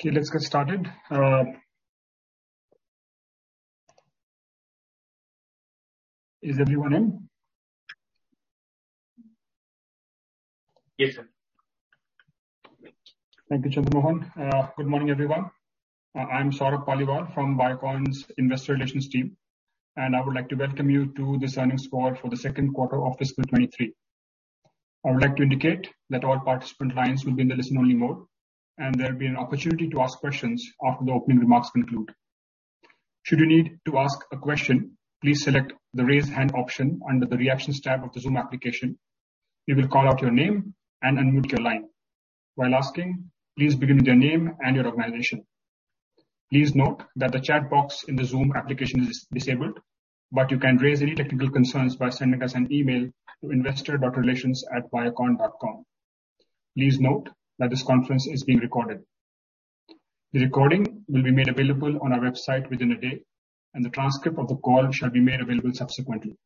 Thank you, Chandramohan. Good morning, everyone. I'm Saurabh Paliwal from Biocon's Investor Relations team, and I would like to welcome you to this earnings call for the Q2 of fiscal 2023. I would like to indicate that all participant lines will be in the listen-only mode, and there'll be an opportunity to ask questions after the opening remarks conclude. Should you need to ask a question, please select the Raise Hand option under the Reactions tab of the Zoom application. We will call out your name and unmute your line. While asking, please begin with your name and your organization. Please note that the chat box in the Zoom application is disabled, but you can raise any technical concerns by sending us an email to investor.relations@biocon.com. Please note that this conference is being recorded. The recording will be made available on our website within a day, and the transcript of the call shall be made available subsequently.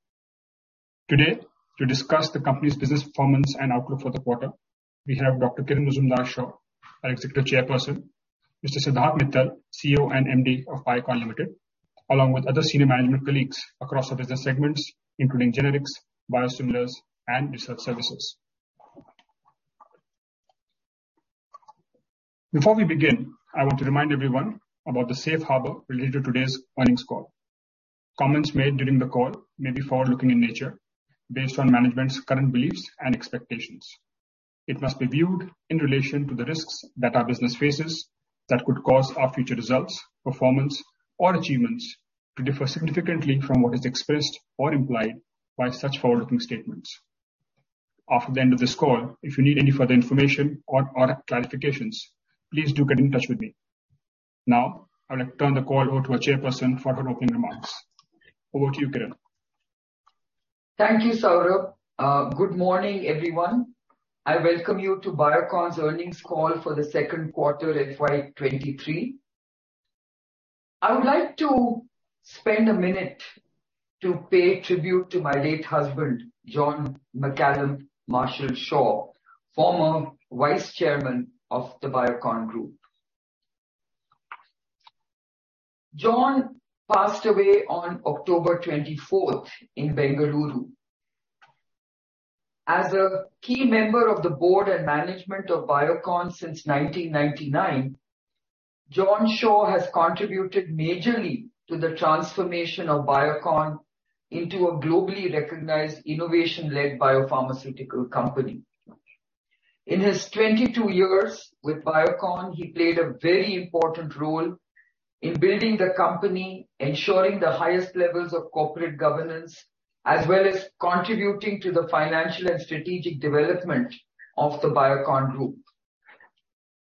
Today, to discuss the company's business performance and outlook for the quarter, we have Dr. Kiran Mazumdar-Shaw, our Executive Chairperson, Mr. Siddharth Mittal, CEO and MD of Biocon Limited, along with other senior management colleagues across our business segments, including generics, biosimilars, and research services. Before we begin, I want to remind everyone about the safe harbor related to today's earnings call. Comments made during the call may be forward-looking in nature based on management's current beliefs and expectations. It must be viewed in relation to the risks that our business faces that could cause our future results, performance or achievements to differ significantly from what is expressed or implied by such forward-looking statements. After the end of this call, if you need any further information or clarifications, please do get in touch with me. Now, I'd like to turn the call over to our chairperson for her opening remarks. Over to you, Kiran. Thank you, Saurabh. Good morning, everyone. I welcome you to Biocon's earnings call for the Q2 FY 2023. I would like to spend a minute to pay tribute to my late husband, John McCallum Marshall Shaw, former Vice Chairman of the Biocon Group. John passed away on October 24th in Bengaluru. As a key member of the board and management of Biocon since 1999, John Shaw has contributed majorly to the transformation of Biocon into a globally recognized, innovation-led biopharmaceutical company. In his 22 years with Biocon, he played a very important role in building the company, ensuring the highest levels of corporate governance, as well as contributing to the financial and strategic development of the Biocon Group.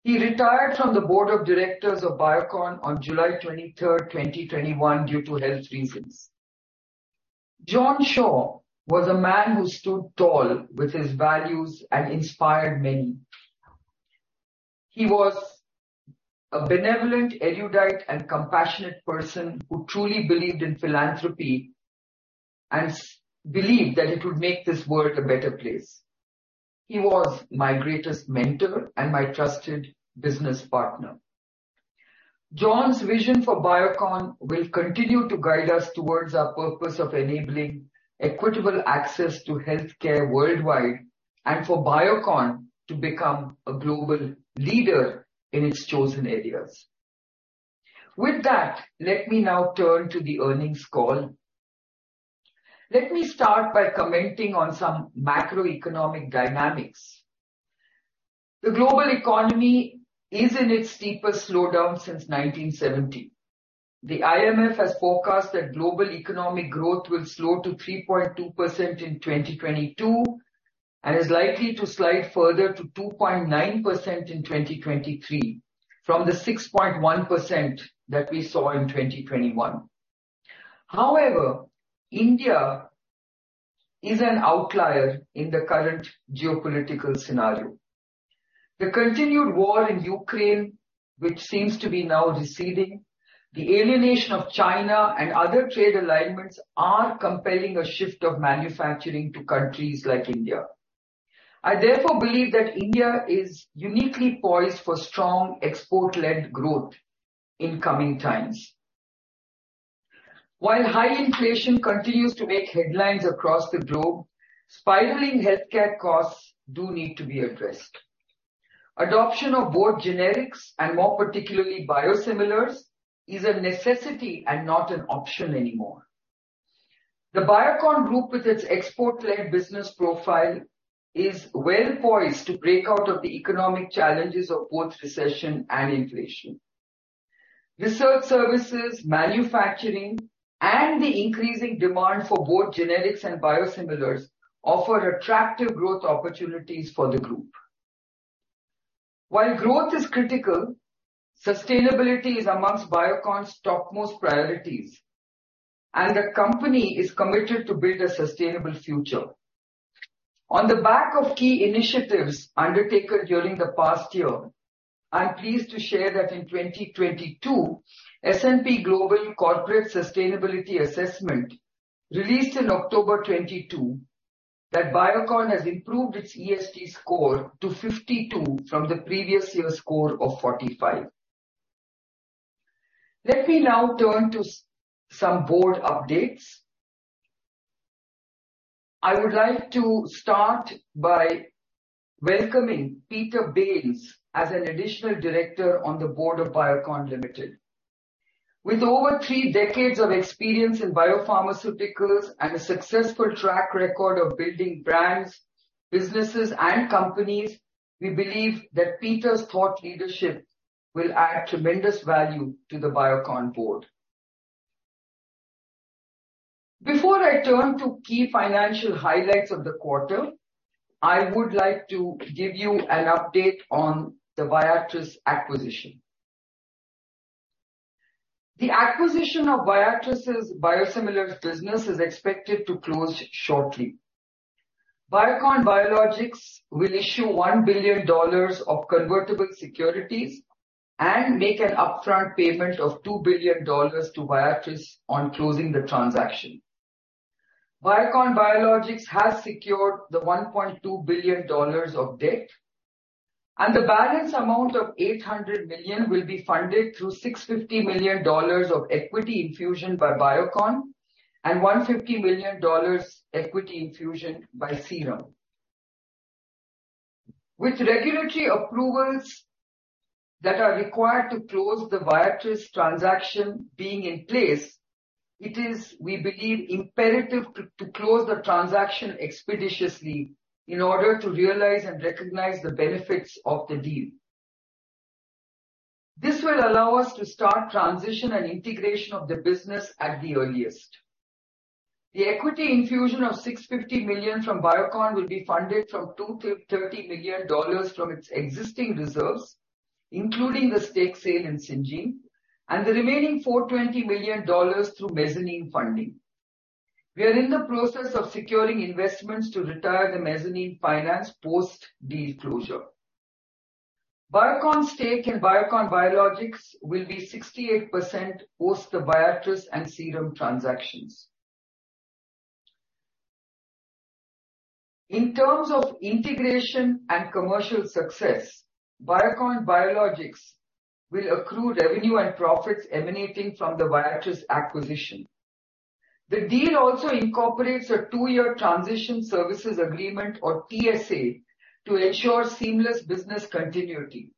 He retired from the board of directors of Biocon on July 23rd, 2021 due to health reasons. John Shaw was a man who stood tall with his values and inspired many. He was a benevolent, erudite and compassionate person who truly believed in philanthropy and believed that it would make this world a better place. He was my greatest mentor and my trusted business partner. John's vision for Biocon will continue to guide us towards our purpose of enabling equitable access to healthcare worldwide, and for Biocon to become a global leader in its chosen areas. With that, let me now turn to the earnings call. Let me start by commenting on some macroeconomic dynamics. The global economy is in its deepest slowdown since 1970. The IMF has forecast that global economic growth will slow to 3.2% in 2022, and is likely to slide further to 2.9% in 2023, from the 6.1% that we saw in 2021. However, India is an outlier in the current geopolitical scenario. The continued war in Ukraine, which seems to be now receding, the alienation of China and other trade alignments are compelling a shift of manufacturing to countries like India. I therefore believe that India is uniquely poised for strong export-led growth in coming times. While high inflation continues to make headlines across the globe, spiraling healthcare costs do need to be addressed. Adoption of both generics and more particularly biosimilars is a necessity and not an option anymore. The Biocon Group, with its export-led business profile, is well poised to break out of the economic challenges of both recession and inflation. Research services, manufacturing, and the increasing demand for both generics and biosimilars offer attractive growth opportunities for the group. While growth is critical, sustainability is among Biocon's topmost priorities, and the company is committed to build a sustainable future. On the back of key initiatives undertaken during the past year, I'm pleased to share that in 2022, S&P Global Corporate Sustainability Assessment, released in October 2022, that Biocon has improved its ESG score to 52 from the previous year's score of 45. Let me now turn to some board updates. I would like to start by welcoming Peter Bains as an additional director on the board of Biocon Limited. With over three decades of experience in biopharmaceuticals and a successful track record of building brands, businesses, and companies, we believe that Peter's thought leadership will add tremendous value to the Biocon board. Before I turn to key financial highlights of the quarter, I would like to give you an update on the Viatris acquisition. The acquisition of Viatris' biosimilars business is expected to close shortly. Biocon Biologics will issue $1 billion of convertible securities and make an upfront payment of $2 billion to Viatris on closing the transaction. Biocon Biologics has secured $1.2 billion of debt, and the balance amount of $800 million will be funded through $650 million of equity infusion by Biocon and $150 million equity infusion by Serum. With regulatory approvals that are required to close the Viatris transaction being in place, it is, we believe, imperative to close the transaction expeditiously in order to realize and recognize the benefits of the deal. This will allow us to start transition and integration of the business at the earliest. The equity infusion of $650 million from Biocon will be funded from $230 million from its existing reserves, including the stake sale in Syngene, and the remaining $420 million dollars through mezzanine funding. We are in the process of securing investments to retire the mezzanine finance post-deal closure. Biocon stake in Biocon Biologics will be 68% post the Viatris and Serum transactions. In terms of integration and commercial success, Biocon Biologics will accrue revenue and profits emanating from the Viatris acquisition. The deal also incorporates a two-year transition services agreement, or TSA, to ensure seamless business continuity.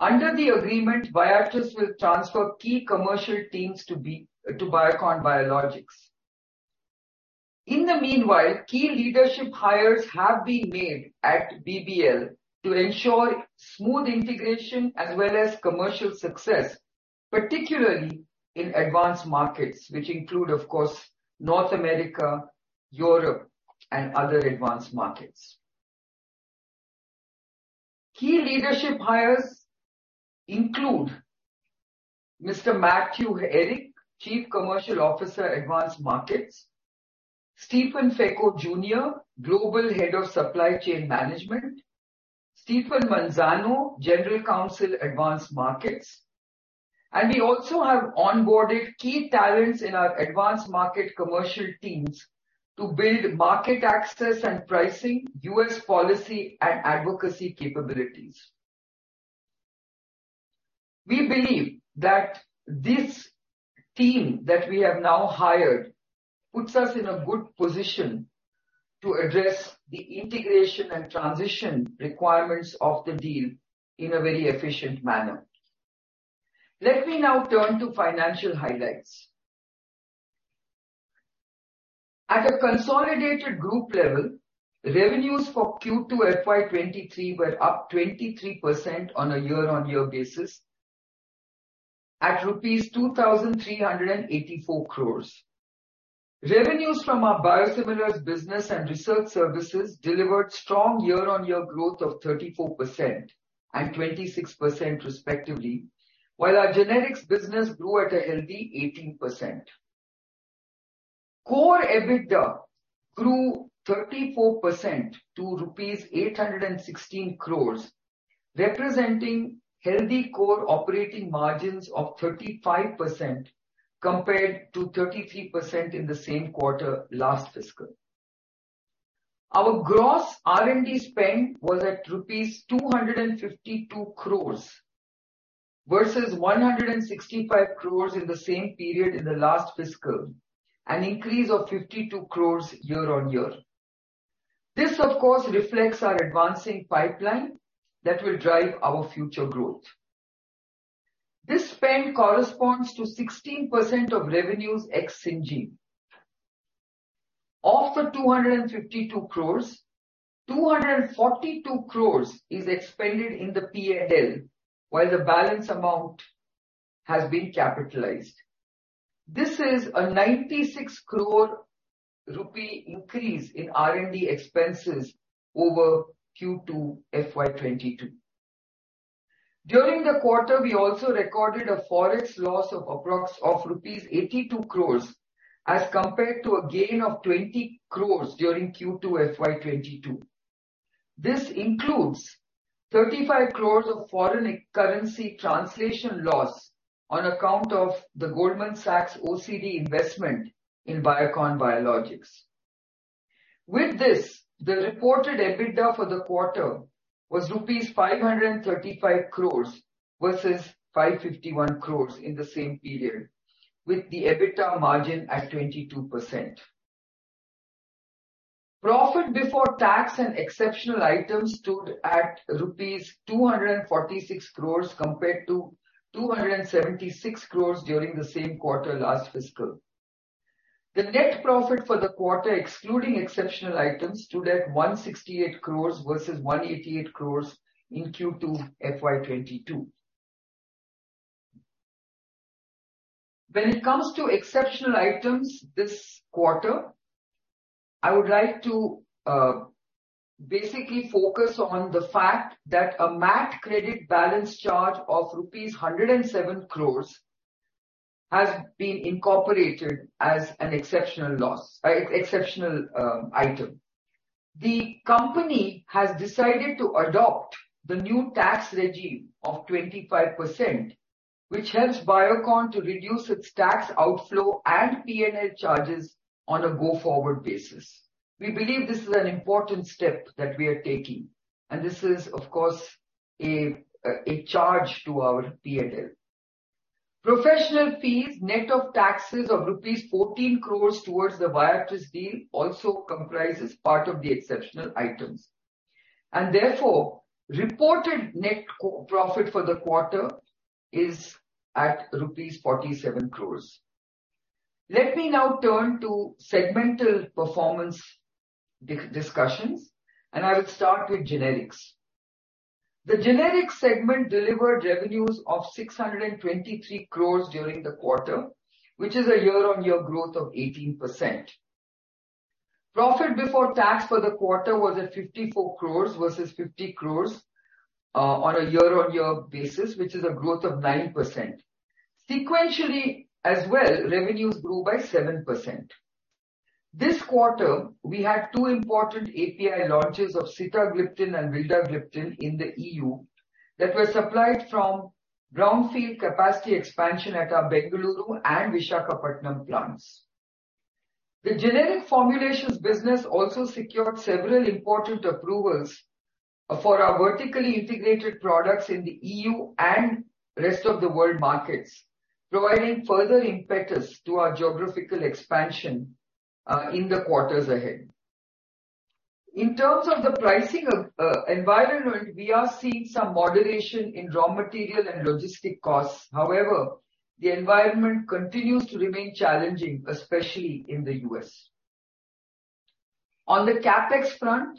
Under the agreement, Viatris will transfer key commercial teams to Biocon Biologics. In the meanwhile, key leadership hires have been made at BBL to ensure smooth integration as well as commercial success, particularly in advanced markets, which include, of course, North America, Europe, and other advanced markets. Key leadership hires include Mr. Matthew Erick, Chief Commercial Officer, Advanced Markets. Stephen J. Fecho, Jr., Global Head of Supply Chain Management. Stephen Manzano, General Counsel, Advanced Markets. We also have onboarded key talents in our advanced market commercial teams to build market access and pricing, U.S. policy, and advocacy capabilities. We believe that this team that we have now hired puts us in a good position to address the integration and transition requirements of the deal in a very efficient manner. Let me now turn to financial highlights. At a consolidated group level, revenues for Q2 FY 2023 were up 23% on a year-on-year basis at rupees 2,384 crore. Revenues from our biosimilars business and research services delivered strong year-on-year growth of 34% and 26% respectively, while our generics business grew at a healthy 18%. Core EBITDA grew 34% to rupees 816 crore, representing healthy core operating margins of 35% compared to 33% in the same quarter last fiscal. Our gross R&D spend was at rupees 252 crore versus 165 crore in the same period in the last fiscal, an increase of 52 crore year on year. This, of course, reflects our advancing pipeline that will drive our future growth. This spend corresponds to 16% of revenues ex Syngene. Of the 252 crores, 242 crores is expended in the P&L, while the balance amount has been capitalized. This is an 96 crore rupee increase in R&D expenses over Q2 FY 2022. During the quarter, we also recorded a Forex loss of approximately rupees 82 crores as compared to a gain of 20 crores during Q2 FY 2022. This includes 35 crores of foreign currency translation loss on account of the Goldman Sachs OCD investment in Biocon Biologics. With this, the reported EBITDA for the quarter was rupees 535 crores versus 551 crores in the same period, with the EBITDA margin at 22%. Profit before tax and exceptional items stood at rupees 246 crores compared to 276 crores during the same quarter last fiscal. The net profit for the quarter, excluding exceptional items, stood at 168 crores versus 188 crores in Q2 FY 2022. When it comes to exceptional items this quarter, I would like to basically focus on the fact that a MAT credit balance charge of rupees 107 crores has been incorporated as an exceptional item. The company has decided to adopt the new tax regime of 25%, which helps Biocon to reduce its tax outflow and P&L charges on a go-forward basis. We believe this is an important step that we are taking, and this is, of course, a charge to our P&L. Professional fees, net of taxes, of rupees 14 crores towards the Viatris deal also comprises part of the exceptional items. Therefore, reported net profit for the quarter is at rupees 47 crores. Let me now turn to segmental performance discussions, and I will start with generics. The generics segment delivered revenues of 623 crore during the quarter, which is a year-on-year growth of 18%. Profit before tax for the quarter was at 54 crore versus 50 crore on a year-on-year basis, which is a growth of 9%. Sequentially as well, revenues grew by 7%. This quarter, we had two important API launches of sitagliptin and vildagliptin in the EU that were supplied from brownfield capacity expansion at our Bengaluru and Visakhapatnam plants. The generic formulations business also secured several important approvals for our vertically integrated products in the EU and rest of the world markets, providing further impetus to our geographical expansion in the quarters ahead. In terms of the pricing environment, we are seeing some moderation in raw material and logistic costs. However, the environment continues to remain challenging, especially in the US. On the CapEx front,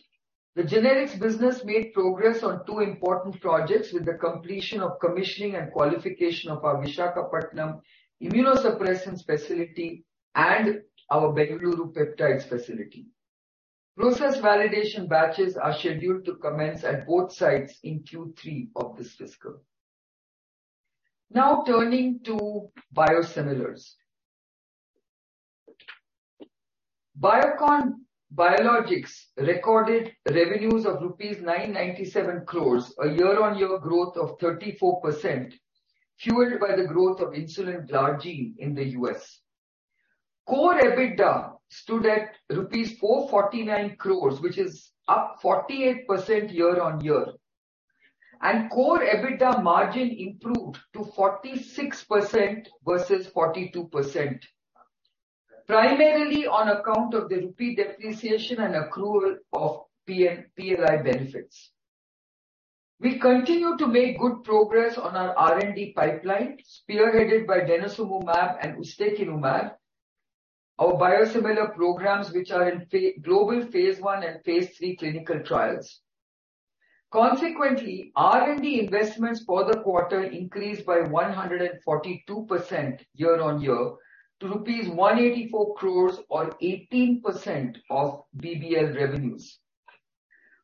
the generics business made progress on two important projects with the completion of commissioning and qualification of our Visakhapatnam immunosuppression facility and our Bengaluru peptides facility. Process validation batches are scheduled to commence at both sites in Q3 of this fiscal. Now turning to biosimilars. Biocon Biologics recorded revenues of rupees 997 crores, a year-on-year growth of 34%, fueled by the growth of insulin glargine in the US. Core EBITDA stood at rupees 449 crores, which is up 48% year-on-year, and core EBITDA margin improved to 46% versus 42%, primarily on account of the rupee depreciation and accrual of PLI benefits. We continue to make good progress on our R&D pipeline, spearheaded by denosumab and ustekinumab, our biosimilar programs which are in our global phase one and phase three clinical trials. Consequently, R&D investments for the quarter increased by 142% year-on-year to rupees 184 crores or 18% of BBL revenues.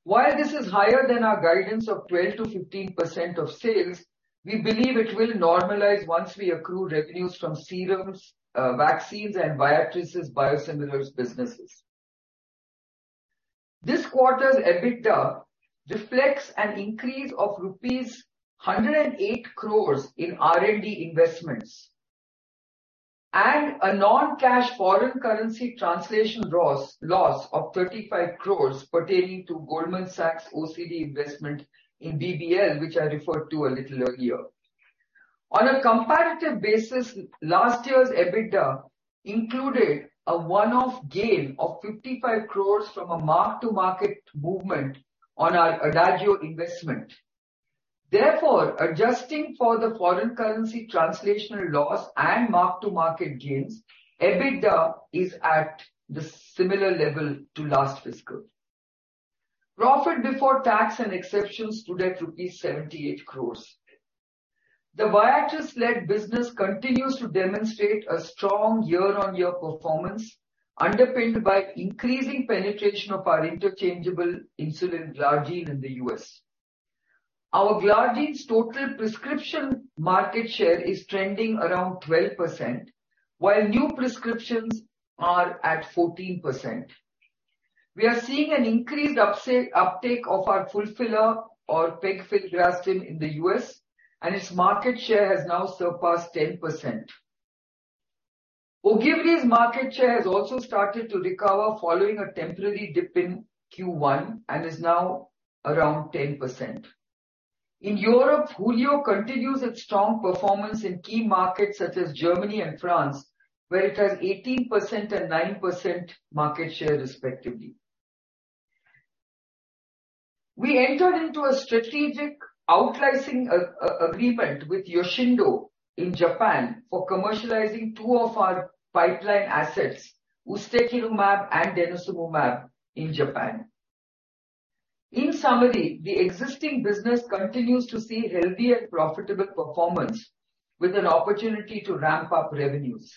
While this is higher than our guidance of 12%-15% of sales, we believe it will normalize once we accrue revenues from vaccines and Viatris' biosimilars businesses. This quarter's EBITDA reflects an increase of rupees 108 crores in R&D investments and a non-cash foreign currency translation loss of 35 crores pertaining to Goldman Sachs OCD investment in BBL, which I referred to a little earlier. On a comparative basis, last year's EBITDA included a one-off gain of 55 crores from a mark-to-market movement on our Adagio investment. Therefore, adjusting for the foreign currency translational loss and mark-to-market gains, EBITDA is at the similar level to last fiscal. Profit before tax and exceptions stood at rupees 78 crores. The Viatris-led business continues to demonstrate a strong year-on-year performance underpinned by increasing penetration of our interchangeable insulin glargine in the US. Our glargine total prescription market share is trending around 12%, while new prescriptions are at 14%. We are seeing an increased uptake of our Fulphila or pegfilgrastim in the US, and its market share has now surpassed 10%. Ogivri's market share has also started to recover following a temporary dip in Q1 and is now around 10%. In Europe, Hulio continues its strong performance in key markets such as Germany and France, where it has 18% and 9% market share respectively. We entered into a strategic out-licensing agreement with Yoshindo in Japan for commercializing two of our pipeline assets, ustekinumab and denosumab in Japan. In summary, the existing business continues to see healthy and profitable performance with an opportunity to ramp up revenues.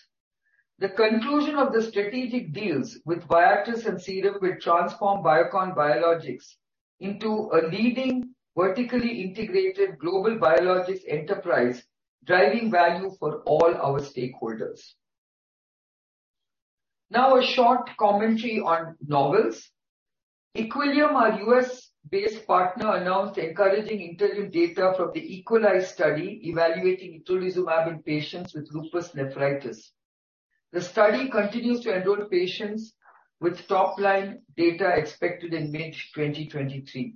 The conclusion of the strategic deals with Viatris and Serum will transform Biocon Biologics into a leading vertically integrated global biologics enterprise, driving value for all our stakeholders. Now a short commentary on novel. Equillium, our US-based partner, announced encouraging interim data from the EQUALISE study evaluating itolizumab in patients with lupus nephritis. The study continues to enroll patients, with top-line data expected in mid 2023.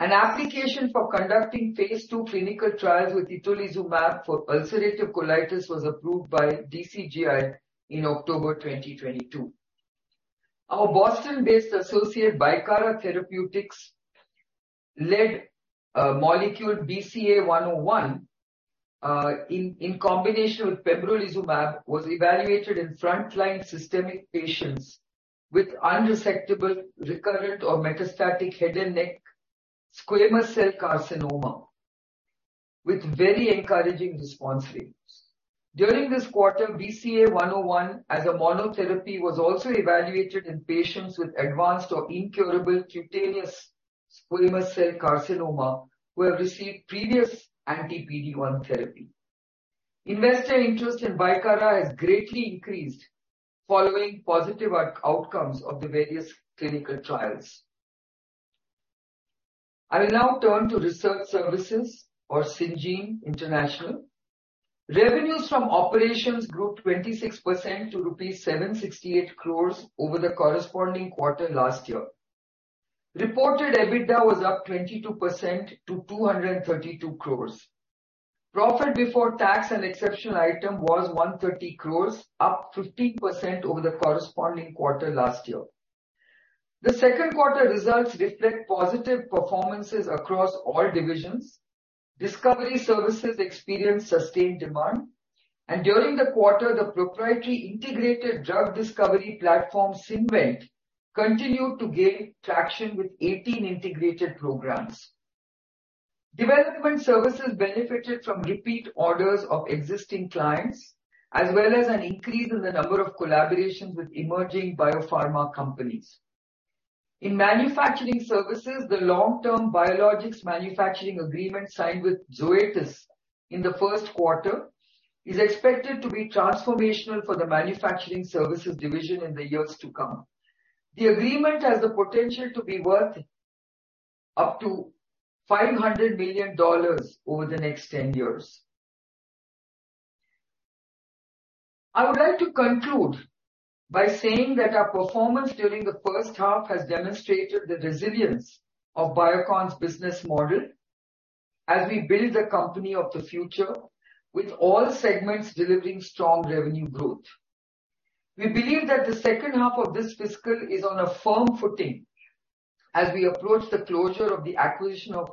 An application for conducting phase 2 clinical trials with itolizumab for ulcerative colitis was approved by DCGI in October 2022. Our Boston-based associate, Bicara Therapeutics-led molecule BCA101 in combination with pembrolizumab was evaluated in frontline systemic patients with unresectable, recurrent or metastatic head and neck squamous cell carcinoma with very encouraging response rates. During this quarter, BCA101 as a monotherapy was also evaluated in patients with advanced or incurable cutaneous squamous cell carcinoma who have received previous anti-PD-1 therapy. Investor interest in Bicara has greatly increased following positive outcomes of the various clinical trials. I will now turn to research services, our Syngene International. Revenues from operations grew 26% to rupees 768 crores over the corresponding quarter last year. Reported EBITDA was up 22% to 232 crores. Profit before tax and exceptional item was 130 crores, up 15% over the corresponding quarter last year. The Q2 results reflect positive performances across all divisions. Discovery services experienced sustained demand, and during the quarter, the proprietary integrated drug discovery platform, SynVent, continued to gain traction with 18 integrated programs. Development services benefited from repeat orders of existing clients, as well as an increase in the number of collaborations with emerging biopharma companies. In manufacturing services, the long-term biologics manufacturing agreement signed with Zoetis in the Q1 is expected to be transformational for the manufacturing services division in the years to come. The agreement has the potential to be worth up to $500 million over the next 10 years. I would like to conclude by saying that our performance during the H1 has demonstrated the resilience of Biocon's business model as we build the company of the future with all segments delivering strong revenue growth. We believe that the H2 of this fiscal is on a firm footing as we approach the closure of the acquisition of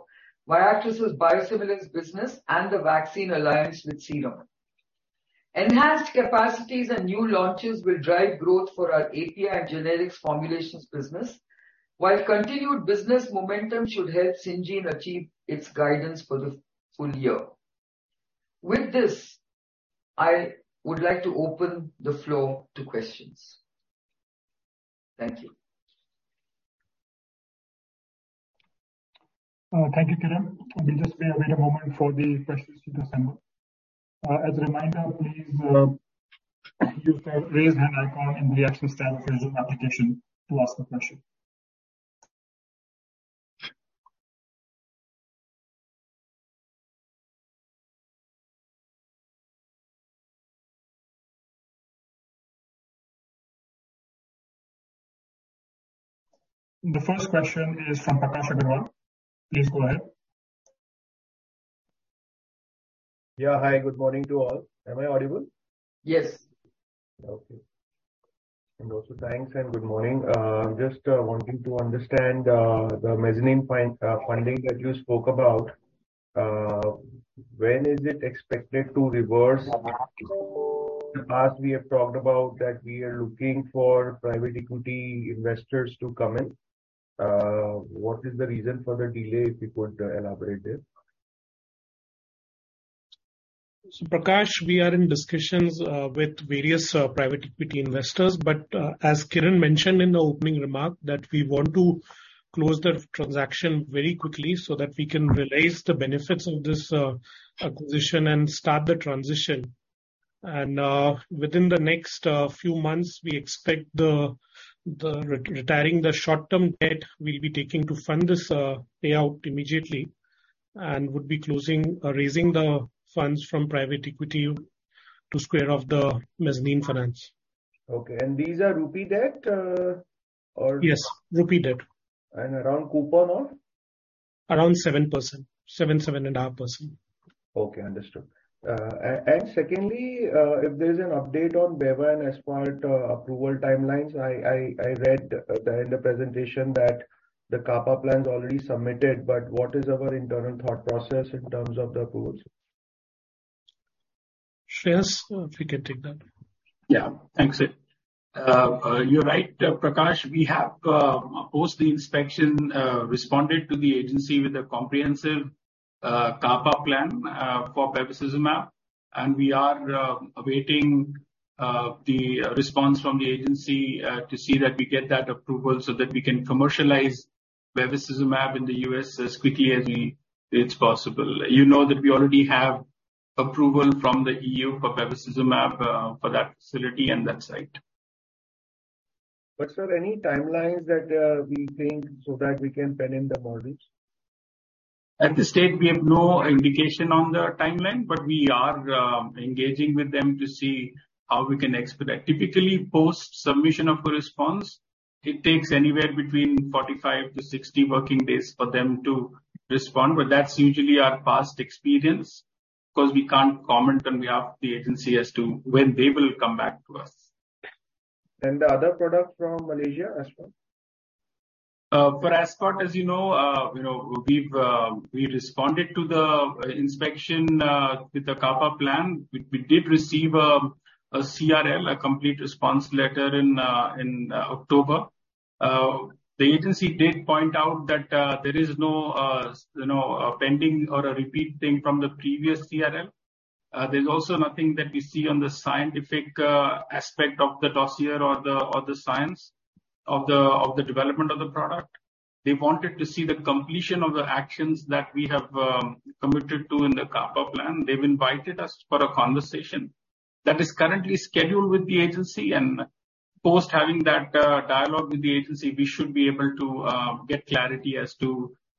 Viatris' biosimilars business and the vaccine alliance with Serum. Enhanced capacities and new launches will drive growth for our API and generics formulations business, while continued business momentum should help Syngene achieve its guidance for the full year. With this, I would like to open the floor to questions. Thank you. Thank you, Kiran. We'll just wait a moment for the questions to come in. As a reminder, please use the raise hand icon in the access application to ask the question. The first question is from Prakash Agarwal. Please go ahead. Yeah, hi. Good morning to all. Am I audible? Yes. Okay. Also thanks and good morning. Just wanting to understand the mezzanine funding that you spoke about. When is it expected to reverse? In the past we have talked about that we are looking for private equity investors to come in. What is the reason for the delay, if you could elaborate there? Prakash, we are in discussions with various private equity investors. As Kiran mentioned in the opening remark that we want to close the transaction very quickly so that we can realize the benefits of this acquisition and start the transition. Within the next few months, we expect retiring the short-term debt we'll be taking to fund this payout immediately and would be closing or raising the funds from private equity to square off the mezzanine finance. Okay. These are rupee debt, or? Yes, rupee debt. Around coupon of? Around 7%. 7-7.5%. Okay, understood. Secondly, if there's an update on Beva and Aspart approval timelines. I read the end of presentation that the CAPA plan's already submitted, but what is our internal thought process in terms of the approvals? Shreehas, if you can take that. Yeah. Thanks, Siddharth. You're right, Prakash, we have, post the inspection, responded to the agency with a comprehensive CAPA plan for bevacizumab, and we are awaiting the response from the agency to see that we get that approval so that we can commercialize bevacizumab in the U.S. as quickly as it's possible. You know that we already have approval from the E.U. for bevacizumab for that facility and that site. Is there any timelines that we think so that we can pin in the models? At this stage we have no indication on the timeline, but we are engaging with them to see how we can expedite. Typically, post submission of a response, it takes anywhere between 45-60 working days for them to respond, but that's usually our past experience 'cause we can't comment on behalf of the agency as to when they will come back to us. The other product from Malaysia, Aspart? For Aspart, as you know, you know, we responded to the inspection with the CAPA plan. We did receive a CRL, a Complete Response Letter, in October. The agency did point out that there is no, you know, a pending or a repeat thing from the previous CRL. There's also nothing that we see on the scientific aspect of the dossier or the science of the development of the product. They wanted to see the completion of the actions that we have committed to in the CAPA plan. They've invited us for a conversation that is currently scheduled with the agency. Post having that dialogue with the agency, we should be able to get clarity as to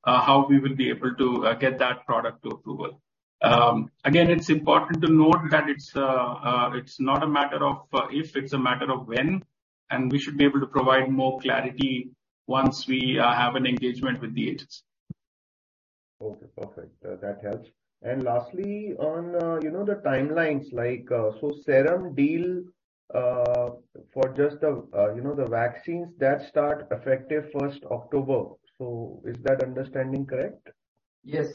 how we will be able to get that product to approval. Again, it's important to note that it's not a matter of if, it's a matter of when, and we should be able to provide more clarity once we have an engagement with the agency. Okay. Perfect. That helps. Lastly, on, you know, the timelines, like, so Serum deal, for just, you know, the vaccines that start effective first October. Is that understanding correct? Yes.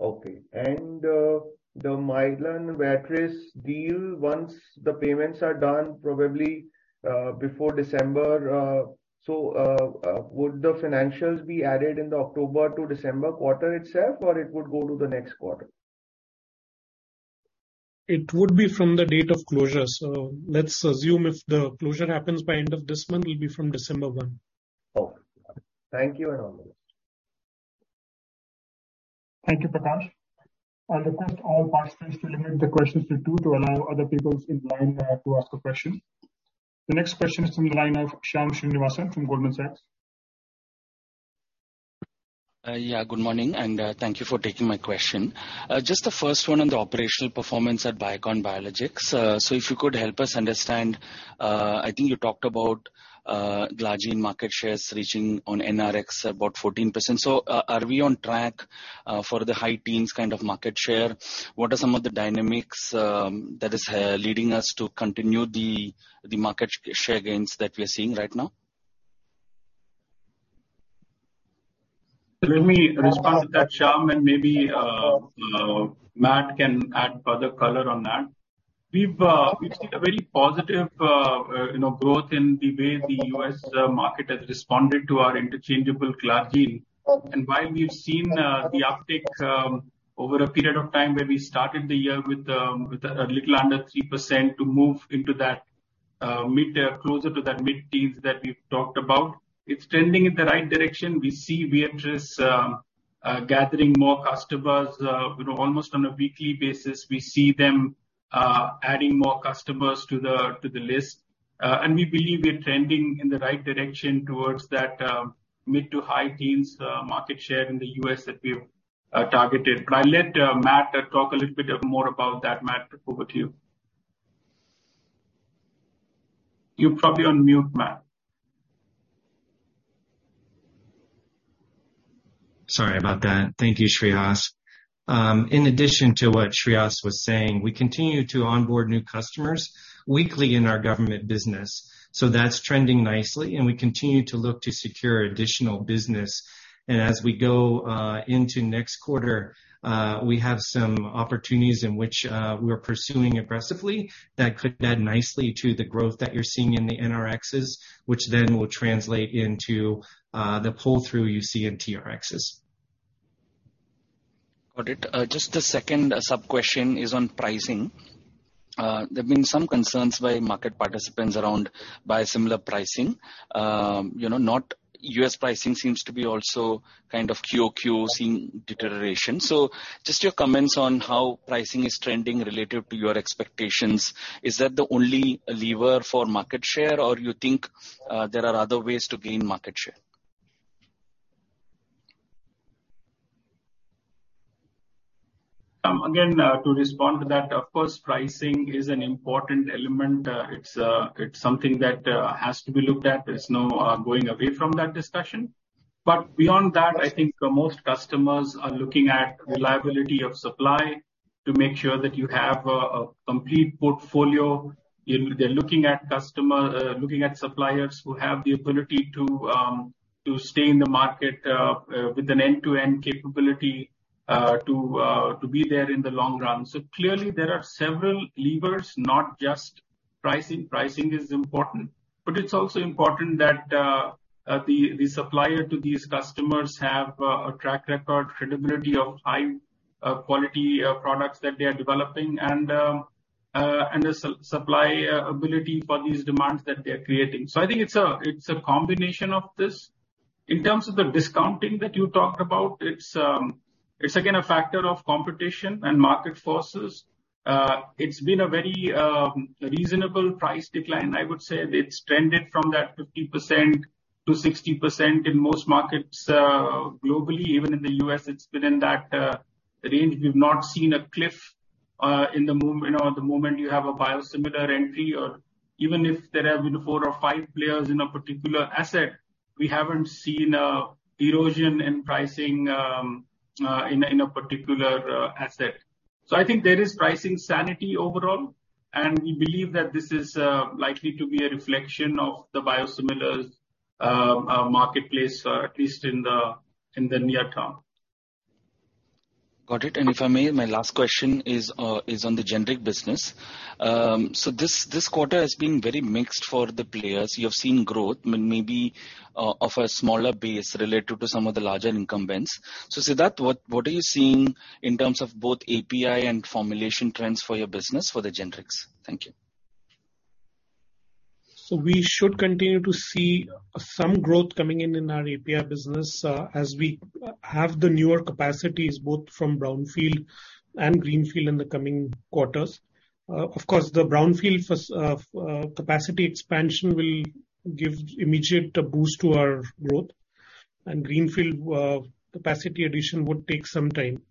Okay. The Mylan Viatris deal, once the payments are done, probably before December, so would the financials be added in the October to December quarter itself, or it would go to the next quarter? It would be from the date of closure. Let's assume if the closure happens by end of this month, it'll be from December 1. Okay. Thank you and all the best. Thank you, Prakash. I request all participants to limit the questions to 2 to allow other people in line to ask a question. The next question is from the line of Shyam Srinivasan from Goldman Sachs. Yeah, good morning, and thank you for taking my question. Just the first one on the operational performance at Biocon Biologics. If you could help us understand, I think you talked about Glargine market shares reaching on NRX about 14%. Are we on track for the high teens kind of market share? What are some of the dynamics that is leading us to continue the market share gains that we are seeing right now? Let me respond to that, Shyam, and maybe Matt can add further color on that. We've seen a very positive, you know, growth in the way the US market has responded to our interchangeable Glargine. While we've seen the uptick over a period of time where we started the year with a little under 3% to move into that mid-teens, closer to that mid-teens that we've talked about, it's trending in the right direction. We see Viatris gathering more customers, you know, almost on a weekly basis. We see them adding more customers to the list. We believe we're trending in the right direction towards that mid- to high-teens market share in the US that we have targeted. I'll let Matthew talk a little bit more about that. Matthew, over to you. You're probably on mute, Matthew. Sorry about that. Thank you, Shreehas. In addition to what Shreehas was saying, we continue to onboard new customers weekly in our government business, so that's trending nicely, and we continue to look to secure additional business. As we go into next quarter, we have some opportunities in which we're pursuing aggressively that could add nicely to the growth that you're seeing in the NRXs, which then will translate into the pull-through you see in TRXs. Got it. Just a second sub-question is on pricing. There's been some concerns by market participants around biosimilar pricing. You know, non-US pricing seems to be also kind of QOQ seeing deterioration. Just your comments on how pricing is trending related to your expectations. Is that the only lever for market share or you think, there are other ways to gain market share? Again, to respond to that, of course, pricing is an important element. It's something that has to be looked at. There's no going away from that discussion. Beyond that, I think most customers are looking at reliability of supply to make sure that you have a complete portfolio. They're looking at suppliers who have the ability to stay in the market with an end-to-end capability to be there in the long run. Clearly there are several levers, not just pricing. Pricing is important, but it's also important that the supplier to these customers have a track record, credibility of high quality products that they are developing and the supply ability for these demands that they're creating. I think it's a combination of this. In terms of the discounting that you talked about, it's again a factor of competition and market forces. It's been a very reasonable price decline, I would say. It's trended from that 50%-60% in most markets globally. Even in the U.S. it's been in that range. We've not seen a cliff, you know, the moment you have a biosimilar entry or even if there have been four or five players in a particular asset, we haven't seen erosion in pricing in a particular asset. I think there is pricing sanity overall, and we believe that this is likely to be a reflection of the biosimilars marketplace at least in the near term. Got it. If I may, my last question is on the generic business. This quarter has been very mixed for the players. You have seen growth maybe of a smaller base related to some of the larger incumbents. Siddharth, what are you seeing in terms of both API and formulation trends for your business for the generics? Thank you. We should continue to see some growth coming in our API business, as we have the newer capacities both from brownfield and greenfield in the coming quarters. Of course, the brownfield first, capacity expansion will give immediate boost to our growth and greenfield, capacity addition would take some time.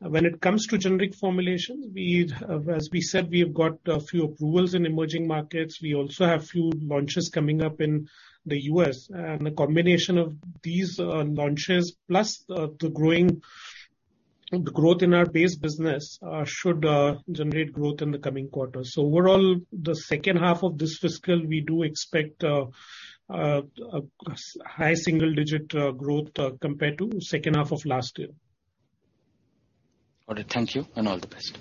When it comes to generic formulations, we've, as we said, we have got a few approvals in emerging markets. We also have few launches coming up in the US and the combination of these, launches plus, the growth in our base business, should generate growth in the coming quarters. Overall, the second half of this fiscal, we do expect, high single digit, growth, compared to second half of last year. Got it. Thank you and all the best.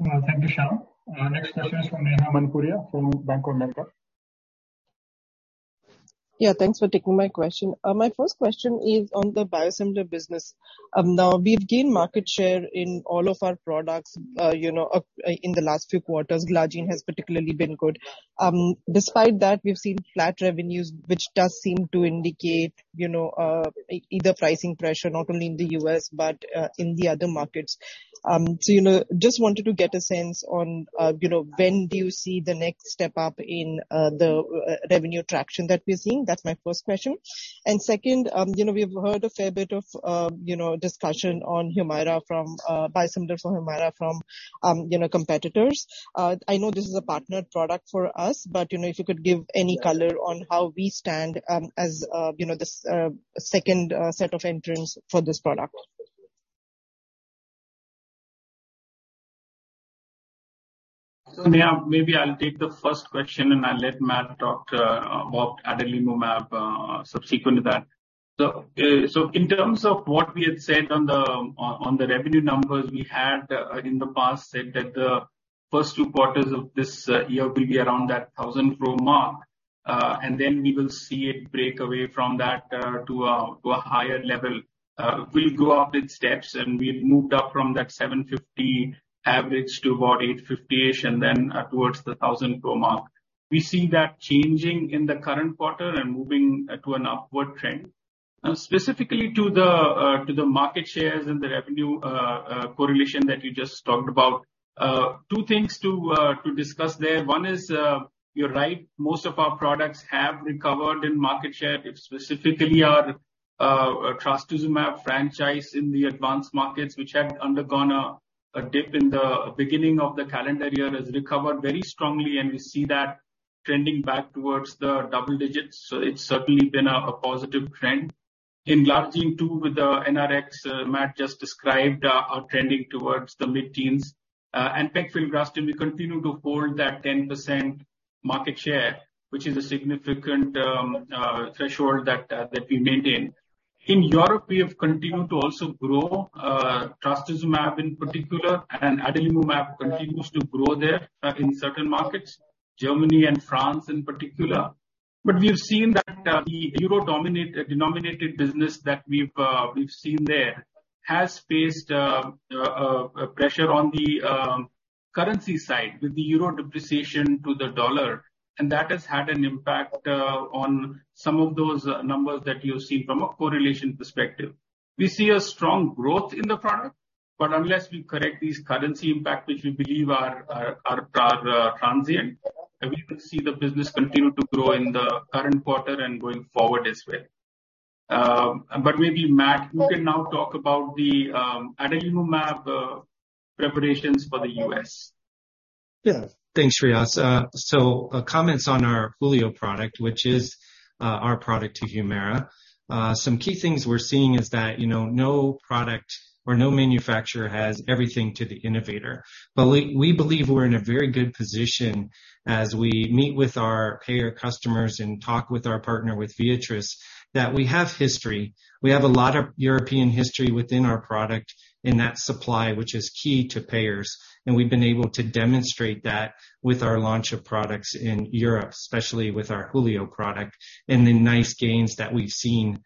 Thank you, Shyam. Next question is from Neha Manpuria from Bank of America. Yeah, thanks for taking my question. My first question is on the biosimilar business. Now we've gained market share in all of our products in the last few quarters. Glargine has particularly been good. Despite that, we've seen flat revenues, which does seem to indicate either pricing pressure not only in the U.S., but in the other markets. Just wanted to get a sense on when do you see the next step up in the revenue traction that we're seeing? That's my first question. Second, we've heard a fair bit of discussion on Humira from biosimilars for Humira from competitors. I know this is a partnered product for us, but, you know, if you could give any color on how we stand as, you know, this second set of entrants for this product? Neha, maybe I'll take the first question and I'll let Matt talk about adalimumab, subsequent to that. In terms of what we had said on the revenue numbers we had in the past said that the first two quarters of this year will be around that 1,000 crore mark, and then we will see it break away from that to a higher level. We'll go up in steps, and we've moved up from that 750 crore average to about 850-ish crore and then towards the 1,000 crore mark. We see that changing in the current quarter and moving to an upward trend. Now, specifically to the market shares and the revenue correlation that you just talked about. Two things to discuss there. One is, you're right, most of our products have recovered in market share, specifically our trastuzumab franchise in the advanced markets, which had undergone a dip in the beginning of the calendar year, has recovered very strongly and we see that trending back towards the double digits. It's certainly been a positive trend. In Glargine, too, with the NRx Matt just described, are trending towards the mid-teens. Pegfilgrastim we continue to hold that 10% market share, which is a significant threshold that we maintain. In Europe, we have continued to also grow, trastuzumab in particular, and adalimumab continues to grow there, in certain markets, Germany and France in particular. We've seen that, the euro denominated business that we've seen there has faced, pressure on the currency side with the euro depreciation to the dollar, and that has had an impact, on some of those numbers that you're seeing from a correlation perspective. We see a strong growth in the product, but unless we correct these currency impact, which we believe are transient, we will see the business continue to grow in the current quarter and going forward as well. Maybe Matthew, you can now talk about the adalimumab preparations for the U.S. Yeah. Thanks, Shreehas Tambe. Comments on our Hulio product, which is our product to Humira. Some key things we're seeing is that, you know, no product or no manufacturer has everything to the innovator. But we believe we're in a very good position as we meet with our payer customers and talk with our partner, with Viatris, that we have history. We have a lot of European history within our product in that supply, which is key to payers, and we've been able to demonstrate that with our launch of products in Europe, especially with our Hulio product, and the nice gains that we've seen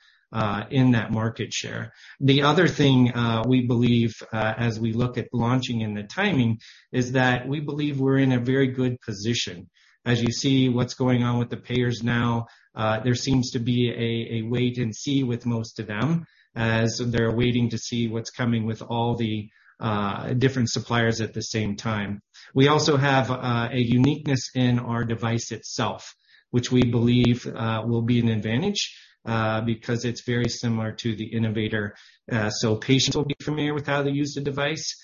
in that market share. The other thing we believe as we look at launching and the timing is that we believe we're in a very good position. As you see what's going on with the payers now, there seems to be a wait and see with most of them, as they're waiting to see what's coming with all the different suppliers at the same time. We also have a uniqueness in our device itself, which we believe will be an advantage because it's very similar to the innovator. Patients will be familiar with how to use the device.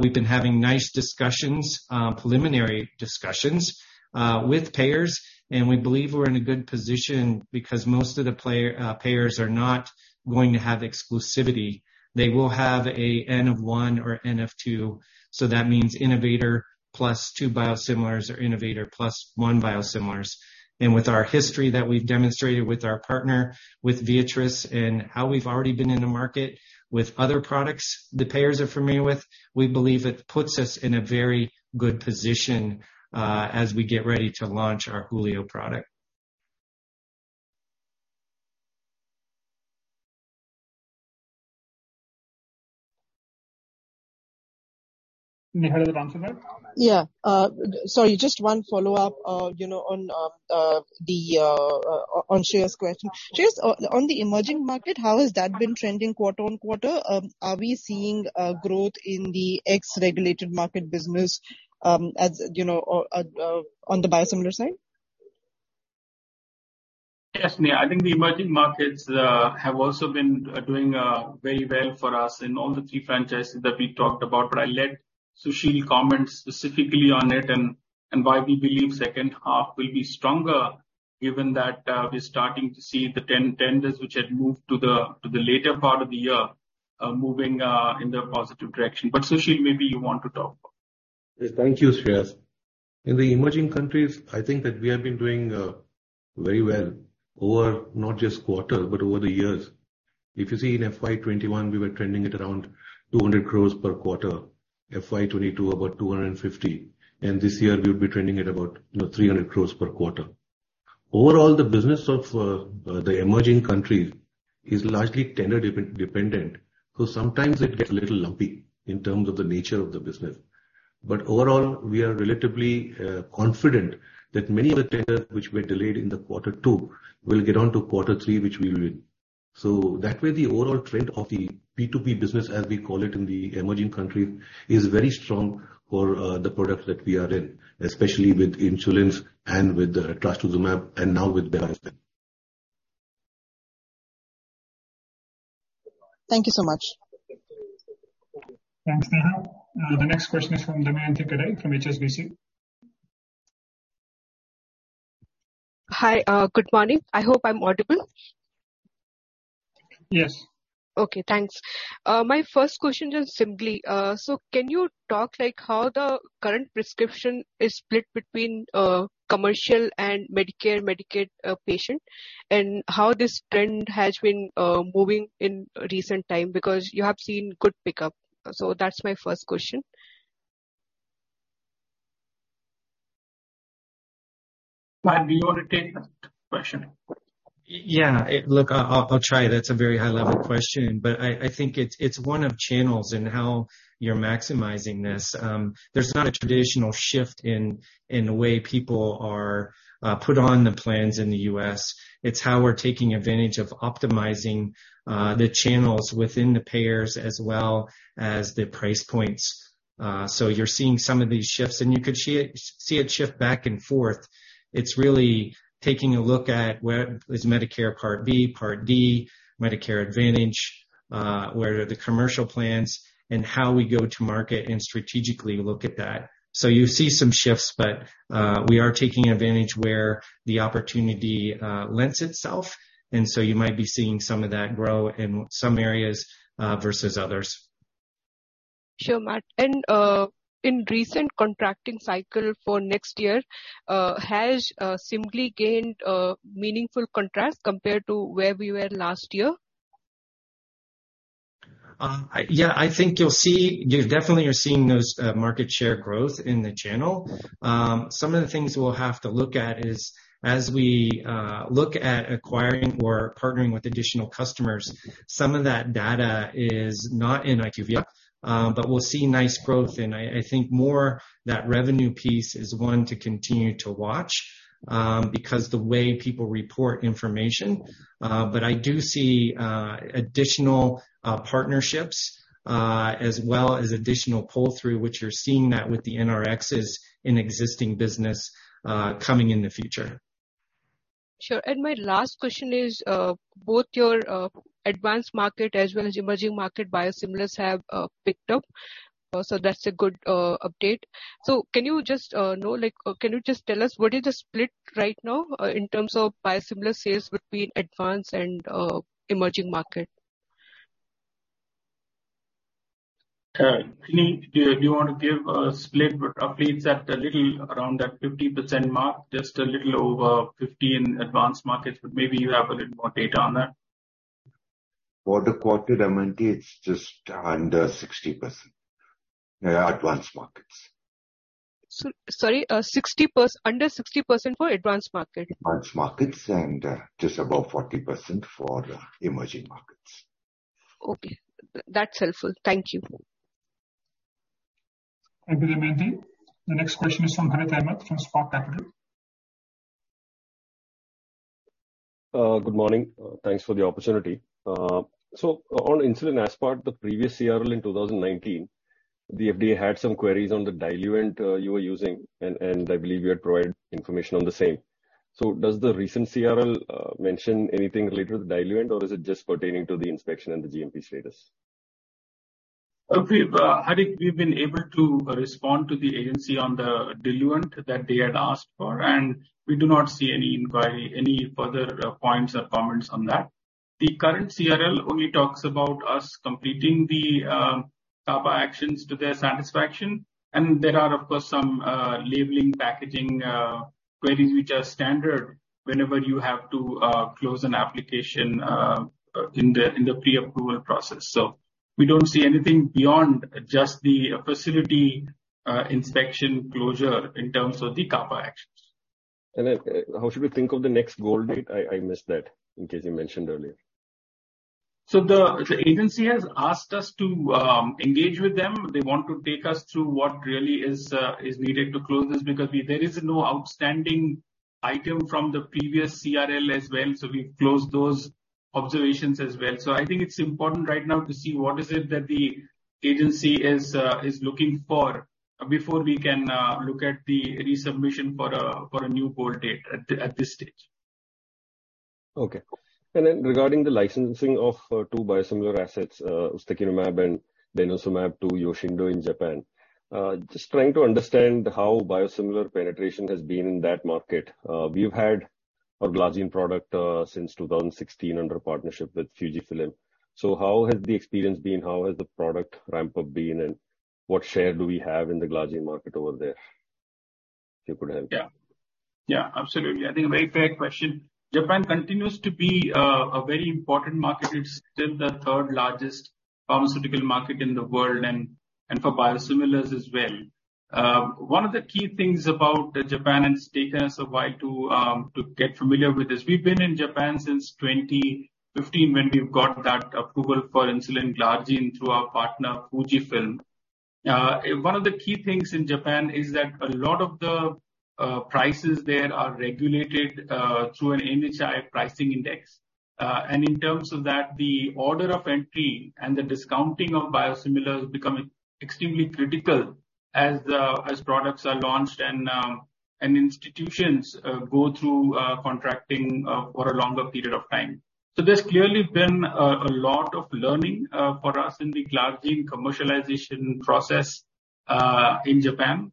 We've been having nice discussions, preliminary discussions, with payers. We believe we're in a good position because most of the payers are not going to have exclusivity. They will have a N of 1 or N of 2, so that means innovator plus two biosimilars or innovator plus one biosimilars. With our history that we've demonstrated with our partner, with Viatris, and how we've already been in the market with other products the payers are familiar with, we believe it puts us in a very good position, as we get ready to launch our Hulio product. Neha, do you want to come in? Yeah. Sorry, just one follow-up, you know, on Shreehas's question. Shreehas, on the emerging market, how has that been trending quarter-over-quarter? Are we seeing growth in the ex-regulated market business, as you know, on the biosimilar side? Yes, Neha. I think the emerging markets have also been doing very well for us in all the 3 franchises that we talked about. I'll let Susheel comment specifically on it and why we believe second half will be stronger given that we're starting to see the 10 tenders which had moved to the later part of the year moving in the positive direction. Susheel, maybe you want to talk. Yes. Thank you, Shreehas. In the emerging countries, I think that we have been doing very well over not just quarter but over the years. If you see in FY 2021, we were trending at around 200 crores per quarter. FY 2022, about 250, and this year we would be trending at about, you know, 300 crores per quarter. Overall, the business of the emerging countries is largely tender dependent, so sometimes it gets a little lumpy in terms of the nature of the business. Overall, we are relatively confident that many of the tenders which were delayed in the quarter two will get on to quarter three, which we win. That way, the overall trend of the B2B business, as we call it in the emerging countries, is very strong for the products that we are in, especially with Insulins and with trastuzumab and now with bevacizumab. Thank you so much. Thanks, Neha. The next question is from Damayanti Kerai from HSBC. Hi. Good morning. I hope I'm audible. Yes. Okay. Thanks. My first question is simply, can you talk like how the current prescription is split between commercial and Medicare, Medicaid, patient, and how this trend has been moving in recent time? Because you have seen good pickup. That's my first question. Matthew, do you wanna take that question? Yeah. Look, I'll try. That's a very high level question, but I think it's one of channels and how you're maximizing this. There's not a traditional shift in the way people are put on the plans in the US. It's how we're taking advantage of optimizing the channels within the payers as well as the price points. So you're seeing some of these shifts, and you could see it shift back and forth. It's really taking a look at where is Medicare Part B, Part D, Medicare Advantage, where are the commercial plans and how we go to market and strategically look at that. You see some shifts, but we are taking advantage where the opportunity lends itself, and you might be seeing some of that grow in some areas versus others. Sure, Matt. In recent contracting cycle for next year, has Semglee gained a meaningful contract compared to where we were last year? I think you'll see. You definitely are seeing those market share growth in the channel. Some of the things we'll have to look at as we look at acquiring or partnering with additional customers, some of that data is not in IQVIA, but we'll see nice growth. I think more that revenue piece is one to continue to watch, because the way people report information. But I do see additional partnerships as well as additional pull-through, which you're seeing that with the NRXs in existing business coming in the future. Sure. My last question is, both your advanced markets as well as emerging markets biosimilars have picked up, so that's a good update. Can you just tell us what is the split right now in terms of biosimilar sales between advanced and emerging markets? Chini, do you wanna give a split? Roughly it's at a little around that 50% mark, just a little over 50% in advanced markets, but maybe you have a little more data on that. For the quarter, Hemanth, it's just under 60%, advanced markets. 60% under 60% for advanced market. Advanced markets, and just above 40% for emerging markets. Okay. That's helpful. Thank you. Thank you, Damayanti. The next question is from Harith Ahamed from Spark Capital. Good morning. Thanks for the opportunity. On insulin aspart, the previous CRL in 2019, the FDA had some queries on the diluent you were using, and I believe you had provided information on the same. Does the recent CRL mention anything related to the diluent, or is it just pertaining to the inspection and the GMP status? Okay. Harith, we've been able to respond to the agency on the diluent that they had asked for, and we do not see any inquiry, any further, points or comments on that. The current CRL only talks about us completing the CAPA actions to their satisfaction. There are, of course, some labeling, packaging queries which are standard whenever you have to close an application in the pre-approval process. We don't see anything beyond just the facility inspection closure in terms of the CAPA actions. How should we think of the next goal date? I missed that, in case you mentioned earlier. The agency has asked us to engage with them. They want to take us through what really is needed to close this because there is no outstanding item from the previous CRL as well, so we've closed those observations as well. I think it's important right now to see what is it that the agency is looking for before we can look at the resubmission for a new goal date at this stage. Okay. Regarding the licensing of two biosimilar assets, ustekinumab and denosumab to Yoshindo in Japan, just trying to understand how biosimilar penetration has been in that market. We've had our glargine product since 2016 under a partnership with Fujifilm. How has the experience been? How has the product ramp-up been, and what share do we have in the glargine market over there? If you could help? Yeah. Yeah, absolutely. I think a very fair question. Japan continues to be a very important market. It's still the third largest pharmaceutical market in the world and for biosimilars as well. One of the key things about Japan and its dynamics as to why to get familiar with this, we've been in Japan since 2015 when we've got that approval for insulin glargine through our partner, Fujifilm. One of the key things in Japan is that a lot of the prices there are regulated through an NHI drug price. In terms of that, the order of entry and the discounting of biosimilars become extremely critical as products are launched and institutions go through contracting for a longer period of time. There's clearly been a lot of learning for us in the Glargine commercialization process in Japan.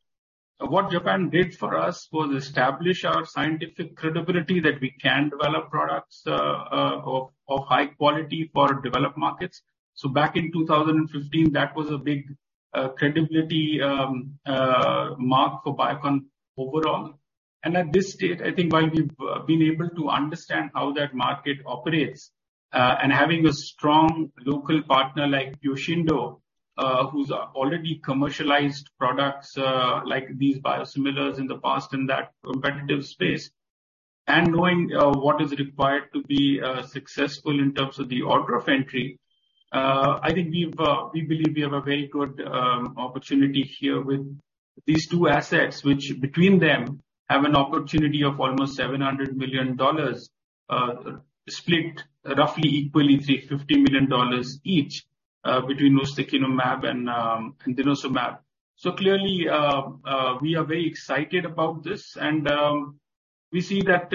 What Japan did for us was establish our scientific credibility that we can develop products of high quality for developed markets. Back in 2015, that was a big credibility mark for Biocon overall. At this stage, I think while we've been able to understand how that market operates, and having a strong local partner like Yoshindo, who's already commercialized products like these biosimilars in the past in that competitive space, and knowing what is required to be successful in terms of the order of entry, I think we believe we have a very good opportunity here with these two assets, which between them have an opportunity of almost $700 million, split roughly equally, say, $50 million each, between ustekinumab and denosumab. Clearly, we are very excited about this, and we see that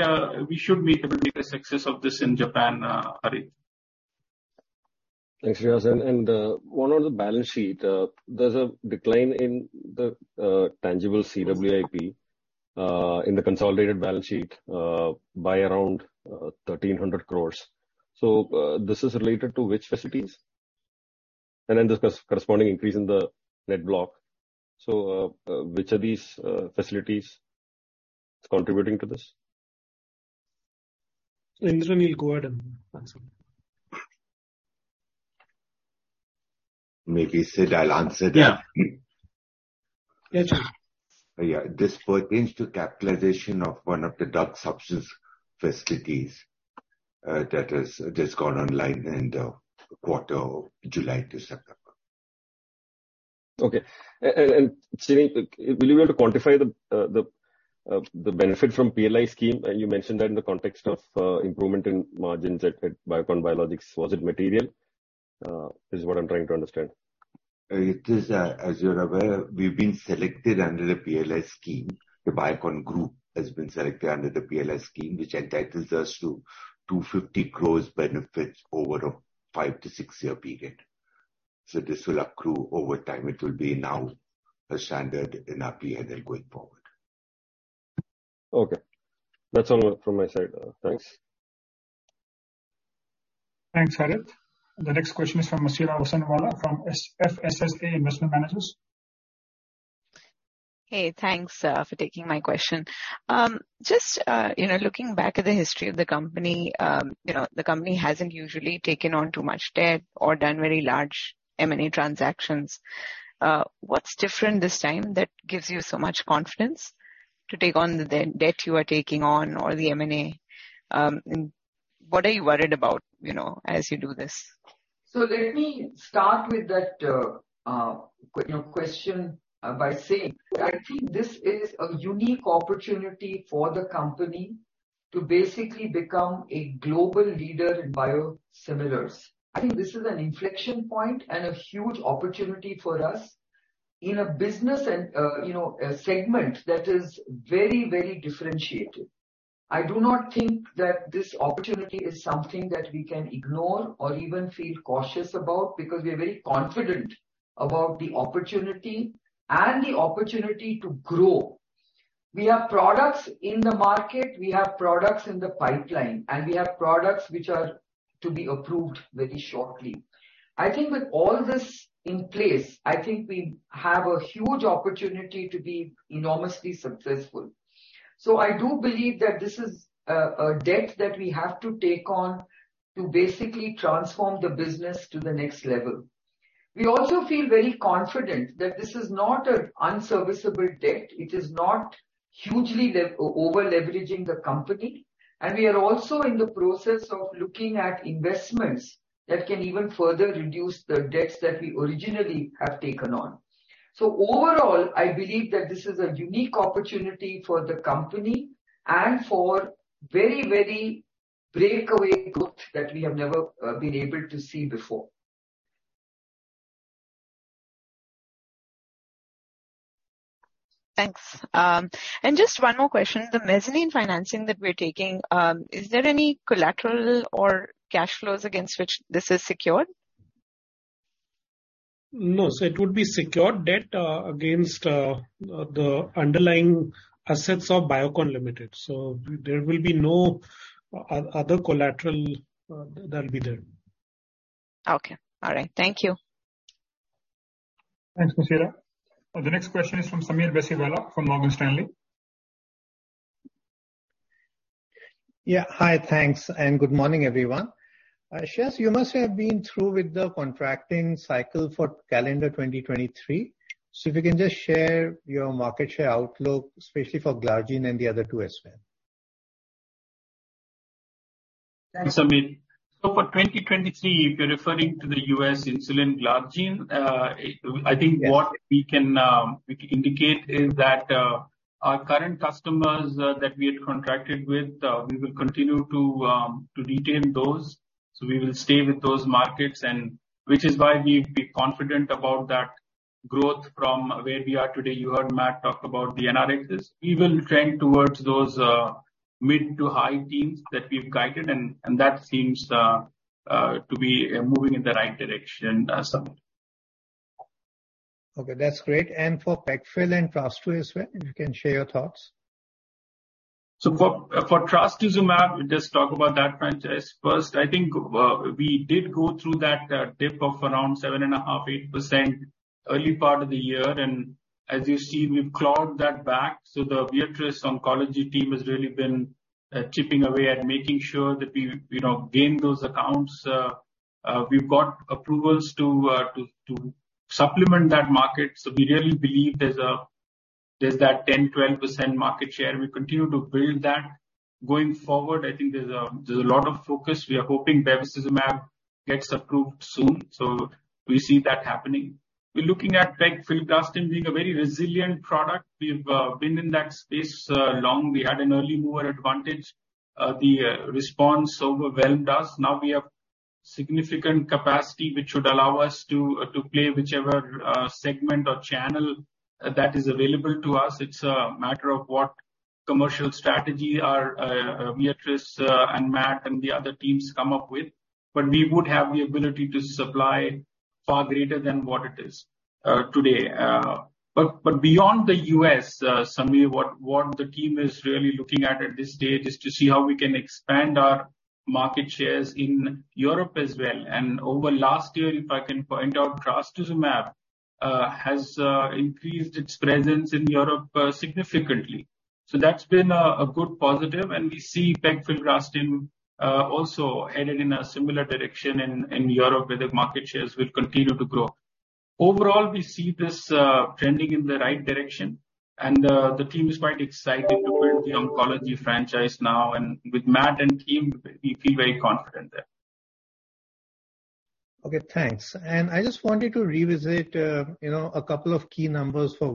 we should be able to make a success of this in Japan, Harith. Thanks, Shreehas. One on the balance sheet. There's a decline in the tangible CWIP in the consolidated balance sheet by around 1,300 crores. This is related to which facilities? Then the corresponding increase in the net block. Which of these facilities is contributing to this? Chini, you'll go ahead and answer. Maybe, Sid, I'll answer that. Yeah. Yeah. This pertains to capitalization of one of the drug substance facilities, that has just gone online in the quarter of July to September. Okay. Siddharth, will you be able to quantify the benefit from PLI scheme? You mentioned that in the context of improvement in margins at Biocon Biologics. Was it material? Is what I'm trying to understand. It is, as you're aware, we've been selected under the PLI scheme. The Biocon Group has been selected under the PLI scheme, which entitles us to 250 crore benefits over a five-six-year period. This will accrue over time. It will be now a standard in our P&L going forward. Okay. That's all from my side. Thanks. Thanks, Harith. The next question is from Masira Vansanwala from FSSA Investment Managers. Hey, thanks for taking my question. Just, you know, looking back at the history of the company, you know, the company hasn't usually taken on too much debt or done very large M&A transactions. What's different this time that gives you so much confidence to take on the debt you are taking on or the M&A? And what are you worried about, you know, as you do this? Let me start with that, you know, question by saying, I think this is a unique opportunity for the company to basically become a global leader in biosimilars. I think this is an inflection point and a huge opportunity for us in a business and, you know, a segment that is very, very differentiated. I do not think that this opportunity is something that we can ignore or even feel cautious about because we are very confident about the opportunity and the opportunity to grow. We have products in the market, we have products in the pipeline, and we have products which are to be approved very shortly. I think with all this in place, I think we have a huge opportunity to be enormously successful. I do believe that this is a debt that we have to take on to basically transform the business to the next level. We also feel very confident that this is not an unserviceable debt. It is not hugely over-leveraging the company. We are also in the process of looking at investments that can even further reduce the debts that we originally have taken on. Overall, I believe that this is a unique opportunity for the company and for very, very breakaway growth that we have never been able to see before. Thanks. Just one more question. The mezzanine financing that we're taking, is there any collateral or cash flows against which this is secured? No. It would be secured debt against the underlying assets of Biocon Limited. There will be no other collateral that'll be there. Okay. All right. Thank you. Thanks, Masira. The next question is from Sameer Baisiwala from Morgan Stanley. Yeah. Hi, thanks, and good morning, everyone. Shreehas, you must have been through with the contracting cycle for calendar 2023. If you can just share your market share outlook, especially for Glargine and the other two as well. Thanks, Sameer. For 2023, if you're referring to the U.S. insulin glargine, I think what we can indicate is that our current customers that we had contracted with we will continue to retain those. We will stay with those markets and which is why we've been confident about that growth from where we are today. You heard Matthew talk about the NRxs. We will trend towards those mid- to high-teens percent that we've guided and that seems to be moving in the right direction, Sameer. Okay, that's great. For pegfilgrastim and trastuzumab as well, if you can share your thoughts. For trastuzumab, we just talk about that franchise first. I think we did go through that dip of around 7.5%-8% early part of the year. As you see, we've clawed that back. The Viatris oncology team has really been chipping away at making sure that we, you know, gain those accounts. We've got approvals to supplement that market. We really believe there's that 10%-12% market share. We continue to build that. Going forward, I think there's a lot of focus. We are hoping bevacizumab gets approved soon. We see that happening. We're looking at pegfilgrastim being a very resilient product. We've been in that space long. We had an early mover advantage. The response overwhelmed us. Now we have significant capacity, which should allow us to play whichever segment or channel that is available to us. It's a matter of what commercial strategy our Viatris and Matt and the other teams come up with. We would have the ability to supply far greater than what it is today. Beyond the US, Sameer, what the team is really looking at at this stage is to see how we can expand our market shares in Europe as well. Over last year, if I can point out, trastuzumab Has increased its presence in Europe significantly. That's been a good positive. We see pegfilgrastim also headed in a similar direction in Europe, where the market shares will continue to grow. Overall, we see this trending in the right direction and the team is quite excited about the oncology franchise now. With Matthew and team, we feel very confident there. Okay, thanks. I just wanted to revisit a couple of key numbers for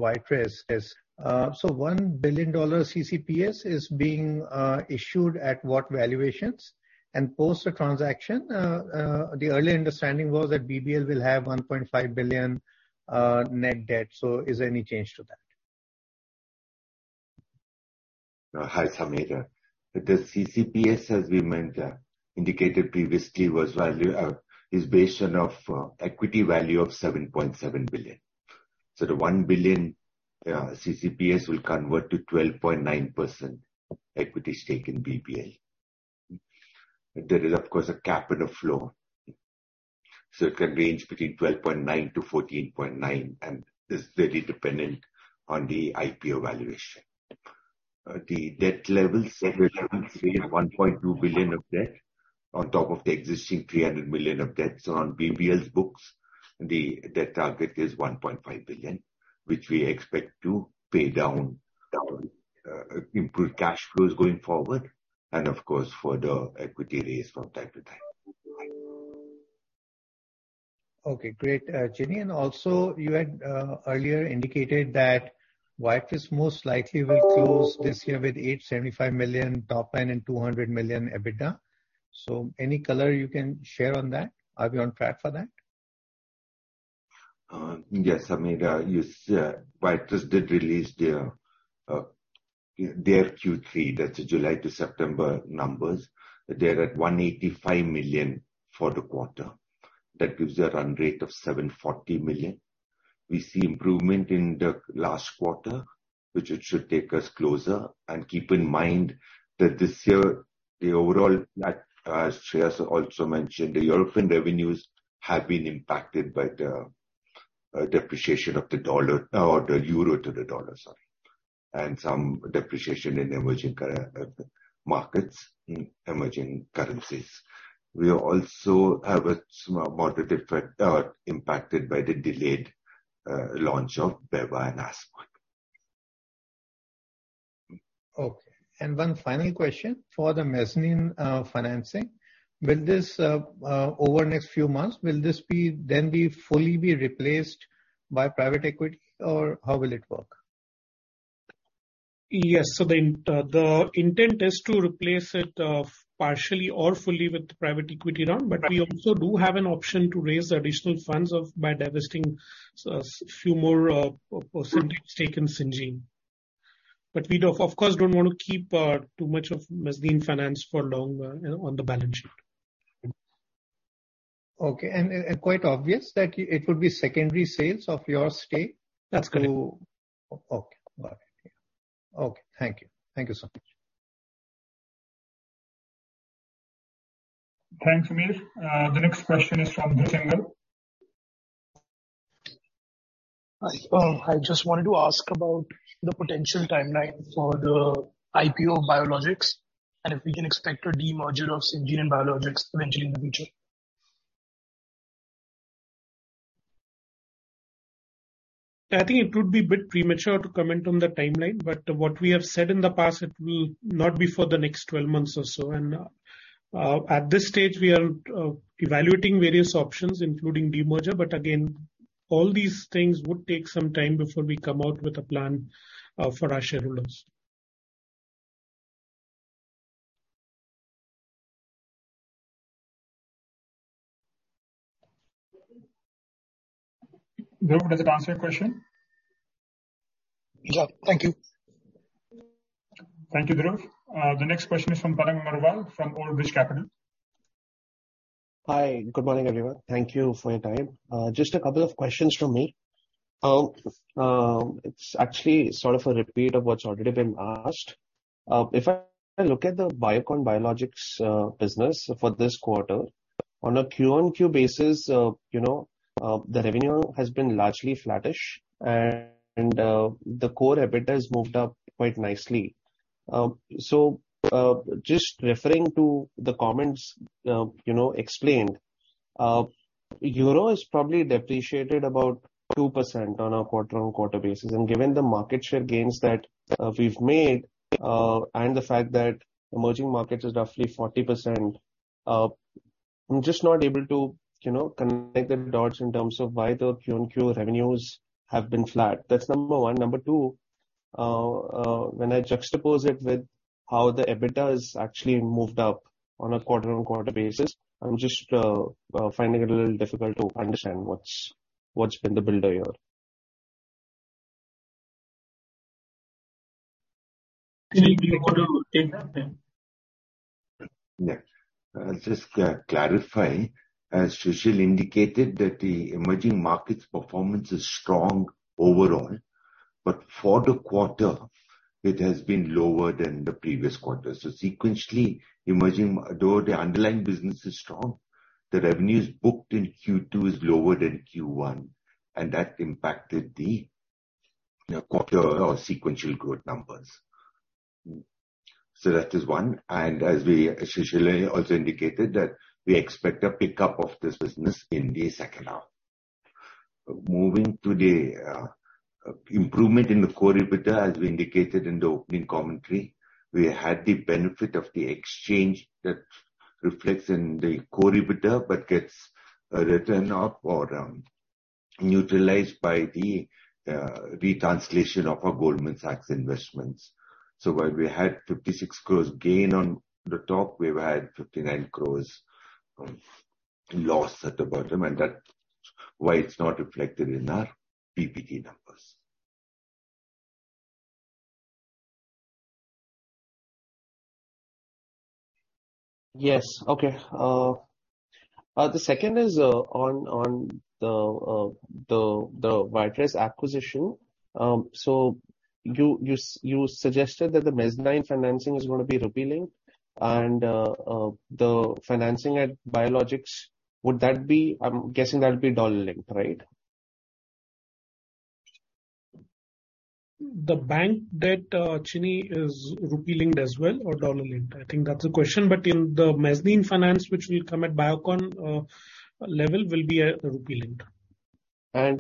Viatris. $1 billion CCPS is being issued at what valuations? Post the transaction, the early understanding was that BBL will have $1.5 billion net debt. Is there any change to that? Hi, Sameer. The CCPS, as we mentioned, as indicated previously, is valued, is based on an equity value of $7.7 billion. The $1 billion CCPS will convert to 12.9% equity stake in BBL. There is, of course, a cap table, so it can range between 12.9%-14.9%, and it's very dependent on the IPO valuation. The debt levels $1.2 billion of debt on top of the existing $300 million of debt. On BBL's books, the debt target is $1.5 billion, which we expect to pay down, improved cash flows going forward and, of course, further equity raise from time to time. Okay, great. Chini, also, you had earlier indicated that Viatris most likely will close this year with $875 million top line and $200 million EBITDA. Any color you can share on that? Are we on track for that? Yes, Sameer. Viatris did release their Q3, that's July to September numbers. They are at $185 million for the quarter. That gives a run rate of $740 million. We see improvement in the last quarter, which it should take us closer. Keep in mind that this year, the overall, as Shreehas also mentioned, the European revenues have been impacted by the depreciation of the dollar or the euro to the dollar, sorry, and some depreciation in emerging currencies. We also have a moderate effect impacted by the delayed launch of bevacizumab as well. Okay. One final question for the mezzanine financing. Will this over the next few months be then fully replaced by private equity or how will it work? Yes. The intent is to replace it partially or fully with the private equity round. We also do have an option to raise additional funds by divesting a few more percentage stake in Syngene. We, of course, don't want to keep too much of mezzanine finance for long on the balance sheet. Okay. Quite obvious that it will be secondary sales of your stake to- That's correct. Okay. Bye. Okay. Thank you. Thank you so much. Thanks, Sameer. The next question is from Dhruv Singhal. Hi. I just wanted to ask about the potential timeline for the IPO of Biocon Biologics, and if we can expect a demerger of Syngene and Biocon Biologics eventually in the future? I think it would be a bit premature to comment on the timeline, but what we have said in the past, it will not be for the next 12 months or so. At this stage we are evaluating various options including demerger. Again, all these things would take some time before we come out with a plan for our shareholders. Dhruv, does it answer your question? Yeah. Thank you. Thank you, Dhiraj. The next question is from Tarang Agrawal from Old Bridge Capital. Hi. Good morning, everyone. Thank you for your time. Just a couple of questions from me. It's actually sort of a repeat of what's already been asked. If I look at the Biocon Biologics business for this quarter, on a quarter-on-quarter basis, you know, the revenue has been largely flattish and the core EBITDA has moved up quite nicely. Just referring to the comments, you know, explained, euro has probably depreciated about 2% on a quarter-on-quarter basis. Given the market share gains that we've made and the fact that emerging markets is roughly 40%, I'm just not able to, you know, connect the dots in terms of why the quarter-on-quarter revenues have been flat. That's number one. Number two, when I juxtapose it with how the EBITDA has actually moved up on a quarter-over-quarter basis, I'm just finding it a little difficult to understand what's been the builder here. Chini, do you want to take that then? Yeah. I'll just clarify, as Susheel indicated that the emerging markets performance is strong overall. For the quarter, it has been lower than the previous quarter. Sequentially, emerging though the underlying business is strong, the revenues booked in Q2 is lower than Q1, and that impacted the quarter or sequential growth numbers. That is one. As Susheel also indicated, that we expect a pickup of this business in the second half. Moving to the improvement in the core EBITDA, as we indicated in the opening commentary, we had the benefit of the exchange that reflects in the core EBITDA, but gets return up or down neutralized by the retranslation of our Goldman Sachs investments. While we had 56 crores gain on the top, we've had 59 crores of loss at the bottom, and that's why it's not reflected in our PBT numbers. Yes. Okay. The second is on the Viatris acquisition. So you suggested that the mezzanine financing is gonna be replacing and the financing at Biocon Biologics, would that be. I'm guessing that would be dollar-linked, right? The bank debt, Chini, is rupee-linked as well or dollar-linked? I think that's the question. In the mezzanine finance, which will come at Biocon level, will be rupee-linked.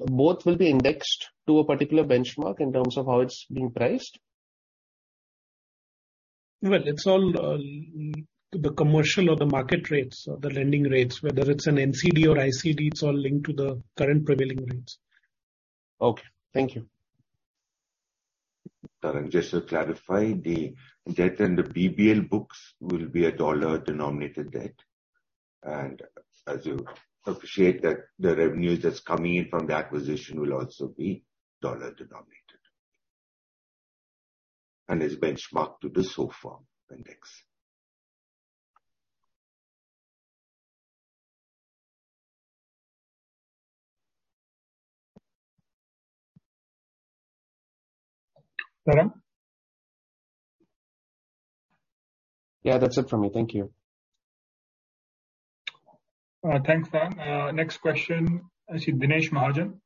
Both will be indexed to a particular benchmark in terms of how it's being priced? Well, it's all the commercial or the market rates or the lending rates, whether it's an NCD or ICD. It's all linked to the current prevailing rates. Okay. Thank you. Tarang, just to clarify, the debt and the BBL books will be a dollar-denominated debt. As you appreciate that the revenues that's coming in from the acquisition will also be dollar-denominated, and is benchmarked to the SOFR index. Tarang? Yeah, that's it from me. Thank you. Thanks, Tarang. Next question, I see Dinesh Mahajan.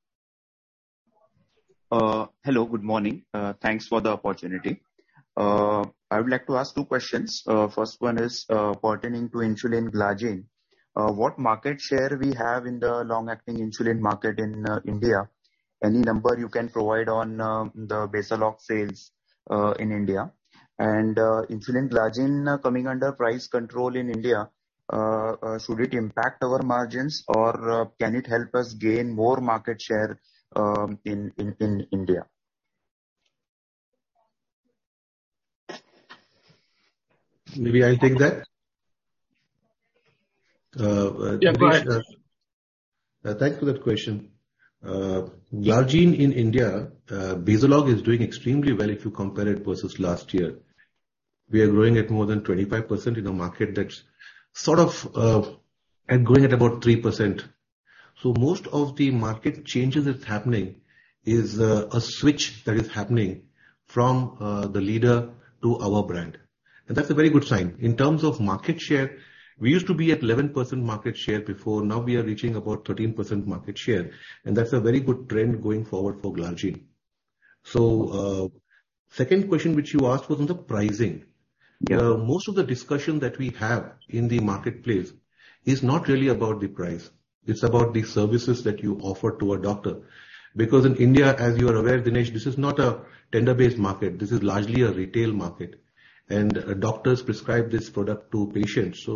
Hello. Good morning. Thanks for the opportunity. I would like to ask two questions. First one is pertaining to insulin glargine. What market share we have in the long-acting insulin market in India? Any number you can provide on the Basalog sales in India. Insulin glargine coming under price control in India should it impact our margins, or can it help us gain more market share in India? Maybe I'll take that. Dinesh. Yeah, go ahead. Thanks for that question. Glargine in India, Basalog is doing extremely well if you compare it versus last year. We are growing at more than 25% in a market that's sort of growing at about 3%. Most of the market changes that's happening is a switch that is happening from the leader to our brand, and that's a very good sign. In terms of market share, we used to be at 11% market share before. Now we are reaching about 13% market share, and that's a very good trend going forward for Glargine. Second question which you asked was on the pricing. Yeah. Most of the discussion that we have in the marketplace is not really about the price. It's about the services that you offer to a doctor. Because in India, as you are aware, Dinesh, this is not a tender-based market. This is largely a retail market. Doctors prescribe this product to patients.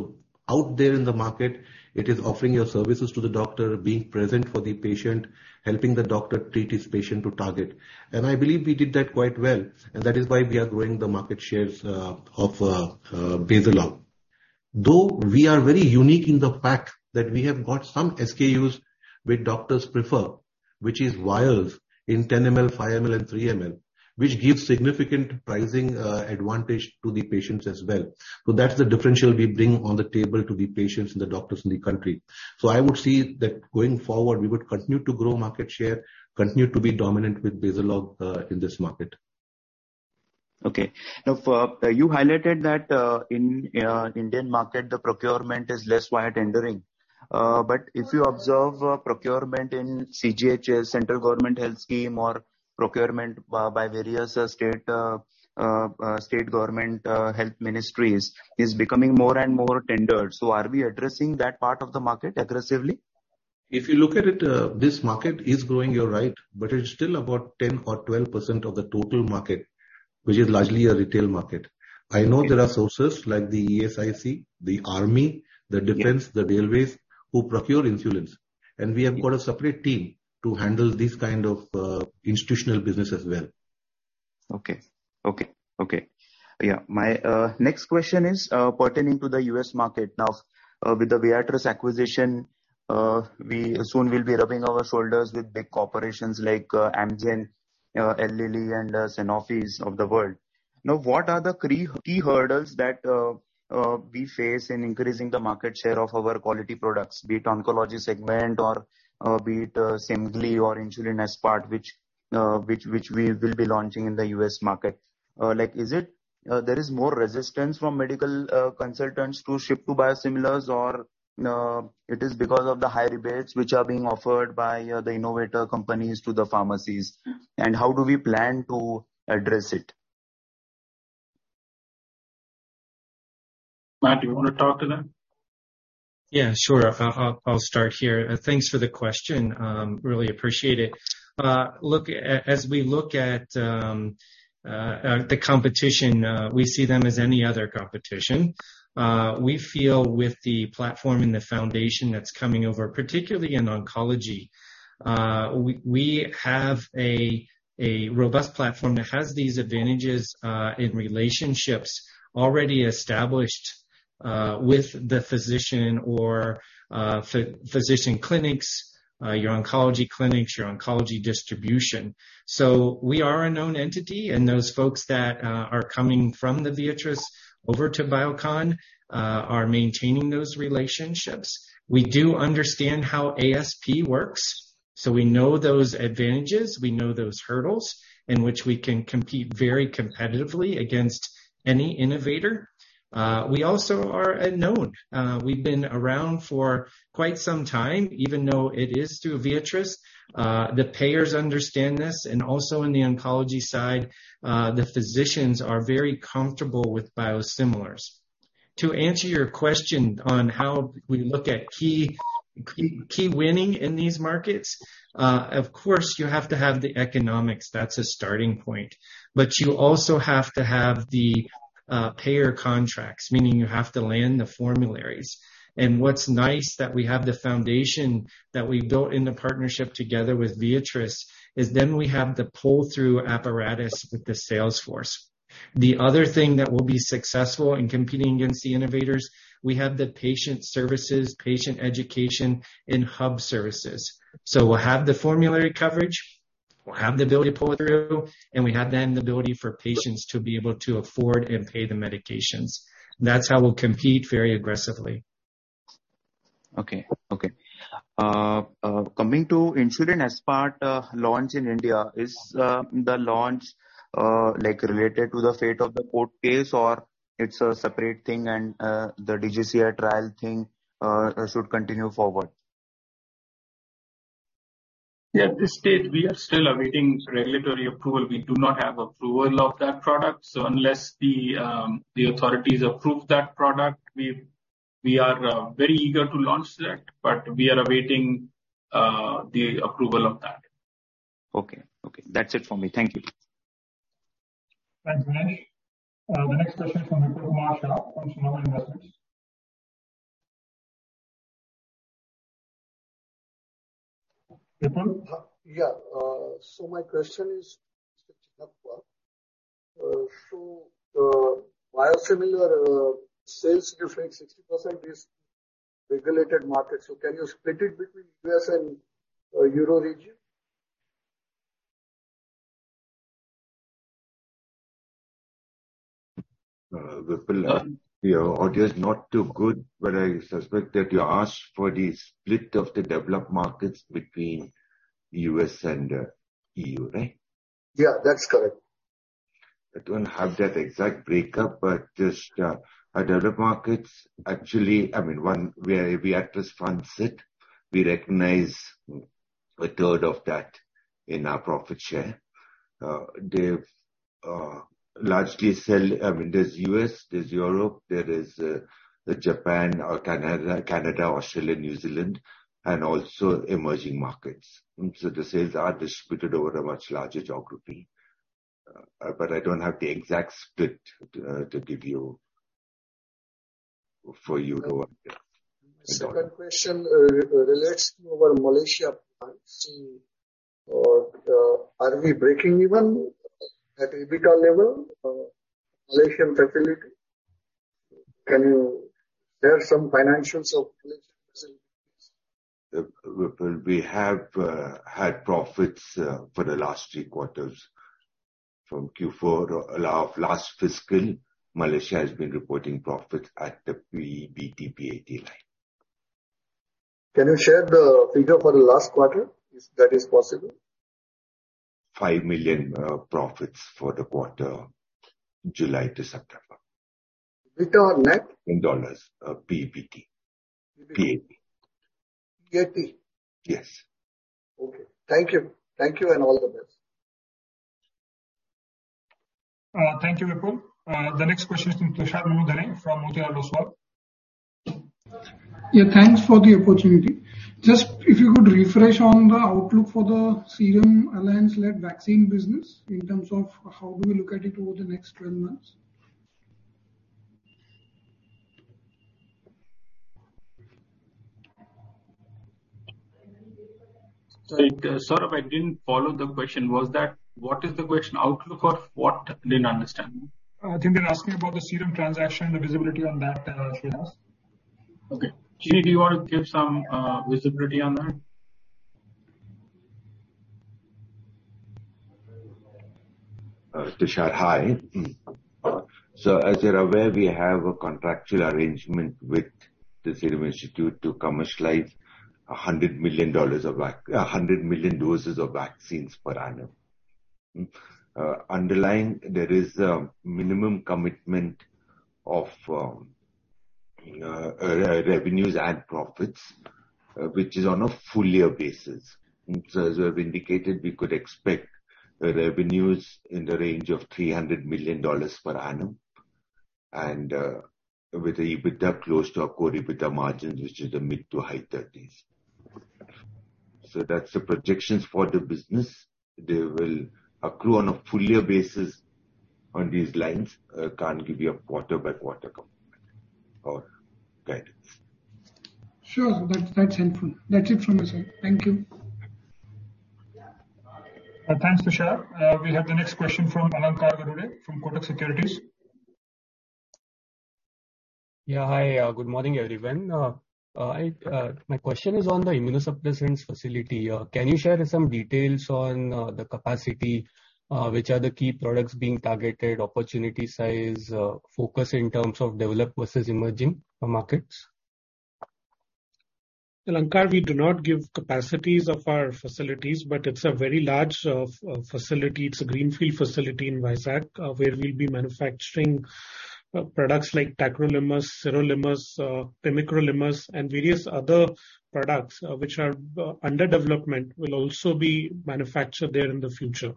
Out there in the market, it is offering your services to the doctor, being present for the patient, helping the doctor treat his patient to target. I believe we did that quite well, and that is why we are growing the market shares of Basalog. Though we are very unique in the fact that we have got some SKUs which doctors prefer, which is vials in 10 ml, 5 ml, and 3 ml, which gives significant pricing advantage to the patients as well. That's the differential we bring on the table to the patients and the doctors in the country. I would say that going forward, we would continue to grow market share, continue to be dominant with Basalog in this market. Okay. Now, you highlighted that in Indian market, the procurement is less via tendering. But if you observe procurement in CGHS, Central Government Health Scheme, or procurement by various state government health ministries, is becoming more and more tendered. Are we addressing that part of the market aggressively? If you look at it, this market is growing, you're right, but it's still about 10% or 12% of the total market, which is largely a retail market. Okay. I know there are sources like the ESIC, the army. Yeah. The defense, the railways, who procure insulins, and we have got a separate team to handle this kind of institutional business as well. Okay. Yeah. My next question is pertaining to the US market. Now, with the Viatris acquisition, we soon will be rubbing our shoulders with big corporations like Amgen, Eli Lilly and Sanofi of the world. Now, what are the three key hurdles that we face in increasing the market share of our quality products, be it oncology segment or be it Semglee or insulin aspart which we will be launching in the US market? Like, is there more resistance from medical consultants to shift to biosimilars or it is because of the high rebates which are being offered by the innovator companies to the pharmacies? How do we plan to address it? Matt, do you want to talk to that? Yeah, sure. I'll start here. Thanks for the question. Really appreciate it. As we look at the competition, we see them as any other competition. We feel with the platform and the foundation that's coming over, particularly in oncology, we have a robust platform that has these advantages in relationships already established with the physician or physician clinics, your oncology clinics, your oncology distribution. We are a known entity, and those folks that are coming from Viatris over to Biocon are maintaining those relationships. We do understand how ASP works, so we know those advantages, we know those hurdles in which we can compete very competitively against any innovator. We also are a known. We've been around for quite some time, even though it is through Viatris. The payers understand this, and also in the oncology side, the physicians are very comfortable with biosimilars. To answer your question on how we look at key winning in these markets, of course you have to have the economics. That's a starting point. You also have to have the payer contracts, meaning you have to land the formularies. What's nice that we have the foundation that we've built in the partnership together with Viatris is then we have the pull-through apparatus with the sales force. The other thing that will be successful in competing against the innovators, we have the patient services, patient education in hub services. We'll have the formulary coverage, we'll have the ability to pull through, and we have then the ability for patients to be able to afford and pay the medications. That's how we'll compete very aggressively. Coming to insulin aspart launch in India, is the launch like related to the fate of the court case or it's a separate thing and the DCGI trial thing should continue forward? Yeah, at this stage we are still awaiting regulatory approval. We do not have approval of that product, so unless the authorities approve that product, we are very eager to launch that, but we are awaiting the approval of that. Okay. Okay, that's it for me. Thank you. Thanks, Dinesh. The next question from Vipul Kumar Shah from Sundaram Investments. Vipul? Yeah. My question is to Chinappa. Biosimilar sales different 60% is regulated markets. Can you split it between U.S. and Euro region? Vipul, your audio's not too good, but I suspect that you asked for the split of the developed markets between U.S. and E.U., right? Yeah, that's correct. I don't have that exact breakup, but just our developed markets actually. I mean, one where Viatris funds it, we recognize a third of that in our profit share. They largely sell. I mean, there's the U.S., there's Europe, there is Japan, Canada, Australia, New Zealand, and also emerging markets. The sales are distributed over a much larger geography. I don't have the exact split to give you for you to- The second question relates to our Malaysia plant. Are we breaking even at EBITDA level, Malaysian facility? Can you share some financials of Malaysian facility please? Vipul, we have had profits for the last three quarters. From Q4 of last fiscal, Malaysia has been reporting profits at the PBT PAT line. Can you share the figure for the last quarter, if that is possible? 5 million profits for the quarter July to September. EBITDA or net? In dollars. PBT. PAT. PAT? Yes. Okay. Thank you. Thank you and all the best. Thank you, Vipul. The next question is from Tushar Manudhane from Motilal Oswal. Yeah, thanks for the opportunity. Just if you could refresh on the outlook for the Serum Alliance-led vaccine business in terms of how we look at it over the next 12 months? Sorry, sort of, I didn't follow the question. Was that, what is the question? Outlook of what? I didn't understand. I think they're asking about the Serum transaction, the visibility on that, Shreehas. Okay. Chini, do you want to give some visibility on that? Tushar, hi. As you're aware, we have a contractual arrangement with the Serum Institute of India to commercialize 100 million doses of vaccines per annum. Underlying there is a minimum commitment of revenues and profits, which is on a full year basis. As we have indicated, we could expect the revenues in the range of $300 million per annum and with EBITDA close to core EBITDA margins, which is the mid-to-high 30s%. That's the projections for the business. They will accrue on a full year basis on these lines. Can't give you a quarter by quarter commitment or guidance. Sure, that's helpful. That's it from my side. Thank you. Thanks, Tushar. We have the next question from Alankar Garude from Kotak Securities. Yeah. Hi. Good morning, everyone. My question is on the immunosuppressants facility. Can you share some details on the capacity? Which are the key products being targeted, opportunity size, focus in terms of developed versus emerging markets? Alankar, we do not give capacities of our facilities, but it's a very large facility. It's a greenfield facility in Vizag, where we'll be manufacturing products like tacrolimus, sirolimus, temsirolimus and various other products which are under development will also be manufactured there in the future.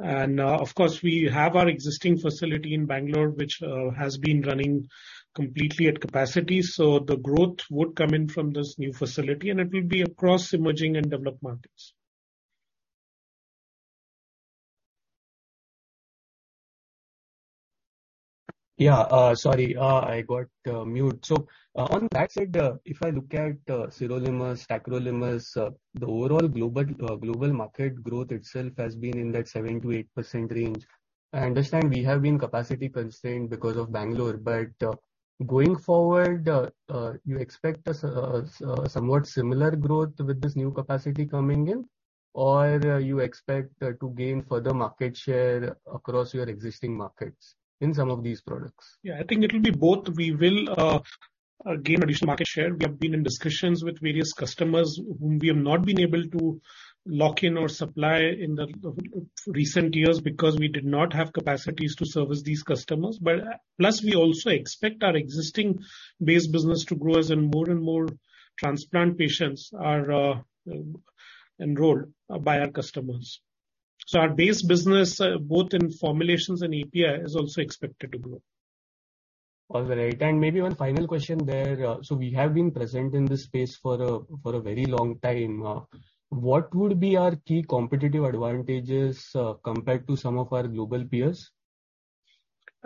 Of course, we have our existing facility in Bangalore, which has been running completely at capacity. The growth would come in from this new facility, and it will be across emerging and developed markets. Yeah. Sorry, I got muted. On that side, if I look at sirolimus, tacrolimus, the overall global market growth itself has been in that 7%-8% range. I understand we have been capacity constrained because of Bangalore. Going forward, you expect somewhat similar growth with this new capacity coming in? Or you expect to gain further market share across your existing markets in some of these products? Yeah, I think it will be both. We will gain additional market share. We have been in discussions with various customers whom we have not been able to lock in or supply in the recent years because we did not have capacities to service these customers. Plus we also expect our existing base business to grow as in more and more transplant patients are enrolled by our customers. Our base business both in formulations and API is also expected to grow. All right. Maybe one final question there. We have been present in this space for a very long time. What would be our key competitive advantages, compared to some of our global peers?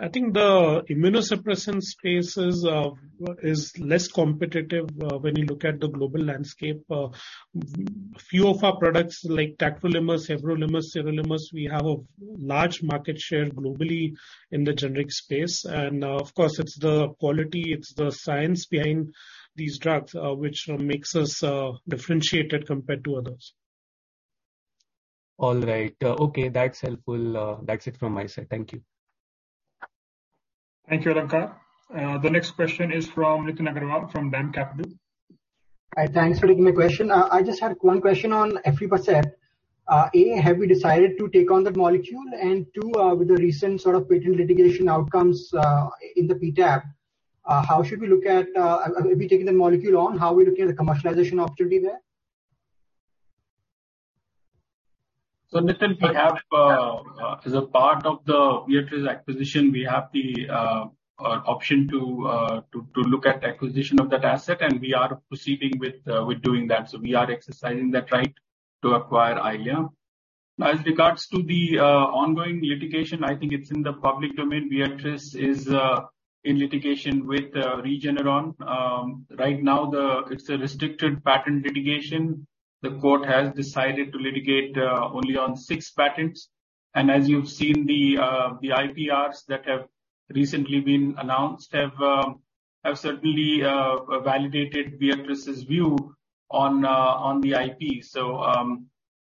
I think the immunosuppression space is less competitive when you look at the global landscape. Few of our products like tacrolimus, everolimus, sirolimus, we have a large market share globally in the generic space. Of course, it's the quality, it's the science behind these drugs, which makes us differentiated compared to others. All right. Okay, that's helpful. That's it from my side. Thank you. Thank you, Alankar. The next question is from Nitin Agarwal from DAM Capital. Thanks for taking my question. I just had one question on aflibercept. A, have we decided to take on that molecule? Two, with the recent sort of patent litigation outcomes, in the PTAB, how should we look at, if we're taking the molecule on, how are we looking at the commercialization opportunity there? Nitin, we have as a part of the Viatris acquisition, we have the option to look at the acquisition of that asset, and we are proceeding with doing that. We are exercising that right to acquire Eylea. As regards to the ongoing litigation, I think it's in the public domain. Viatris is in litigation with Regeneron. Right now, it's a restricted patent litigation. The court has decided to litigate only on six patents. As you've seen, the IPRs that have recently been announced have certainly validated Viatris' view on the IP.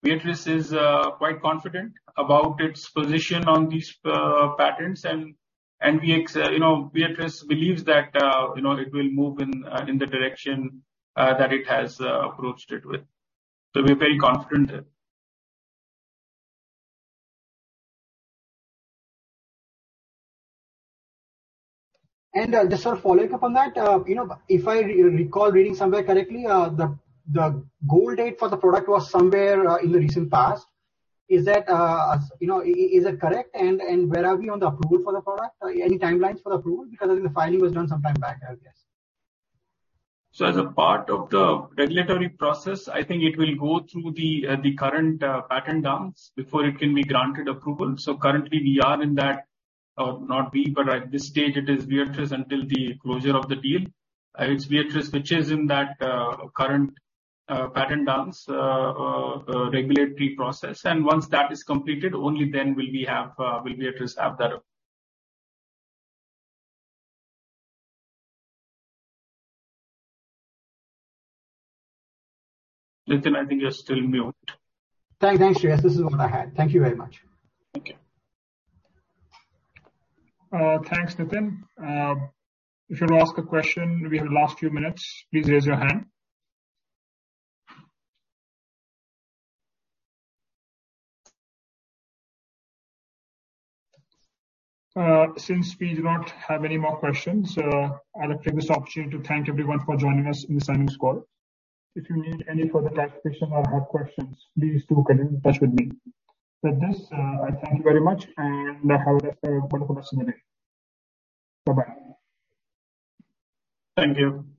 Viatris is quite confident about its position on these patents and Viatris believes that you know it will move in the direction that it has approached it with. We're very confident there. Just a follow-up on that. You know, if I recall reading somewhere correctly, the goal date for the product was somewhere in the recent past. Is that, you know, is it correct? Where are we on the approval for the product? Any timelines for the approval? Because the filing was done some time back, I guess. As a part of the regulatory process, I think it will go through the current patent dance before it can be granted approval. Currently we are in that, or not we, but at this stage it is Viatris until the closure of the deal. It's Viatris which is in that current patent dance regulatory process. Once that is completed, only then will Viatris have that. Nitin, I think you're still mute. Thanks. This is all I had. Thank you very much. Okay. Thanks, Nitin. If you want to ask a question, we have the last few minutes, please raise your hand. Since we do not have any more questions, I'd like to take this opportunity to thank everyone for joining us in this earnings call. If you need any further clarification or have questions, please do get in touch with me. With this, I thank you very much and have a wonderful rest of the day. Bye-bye. Thank you.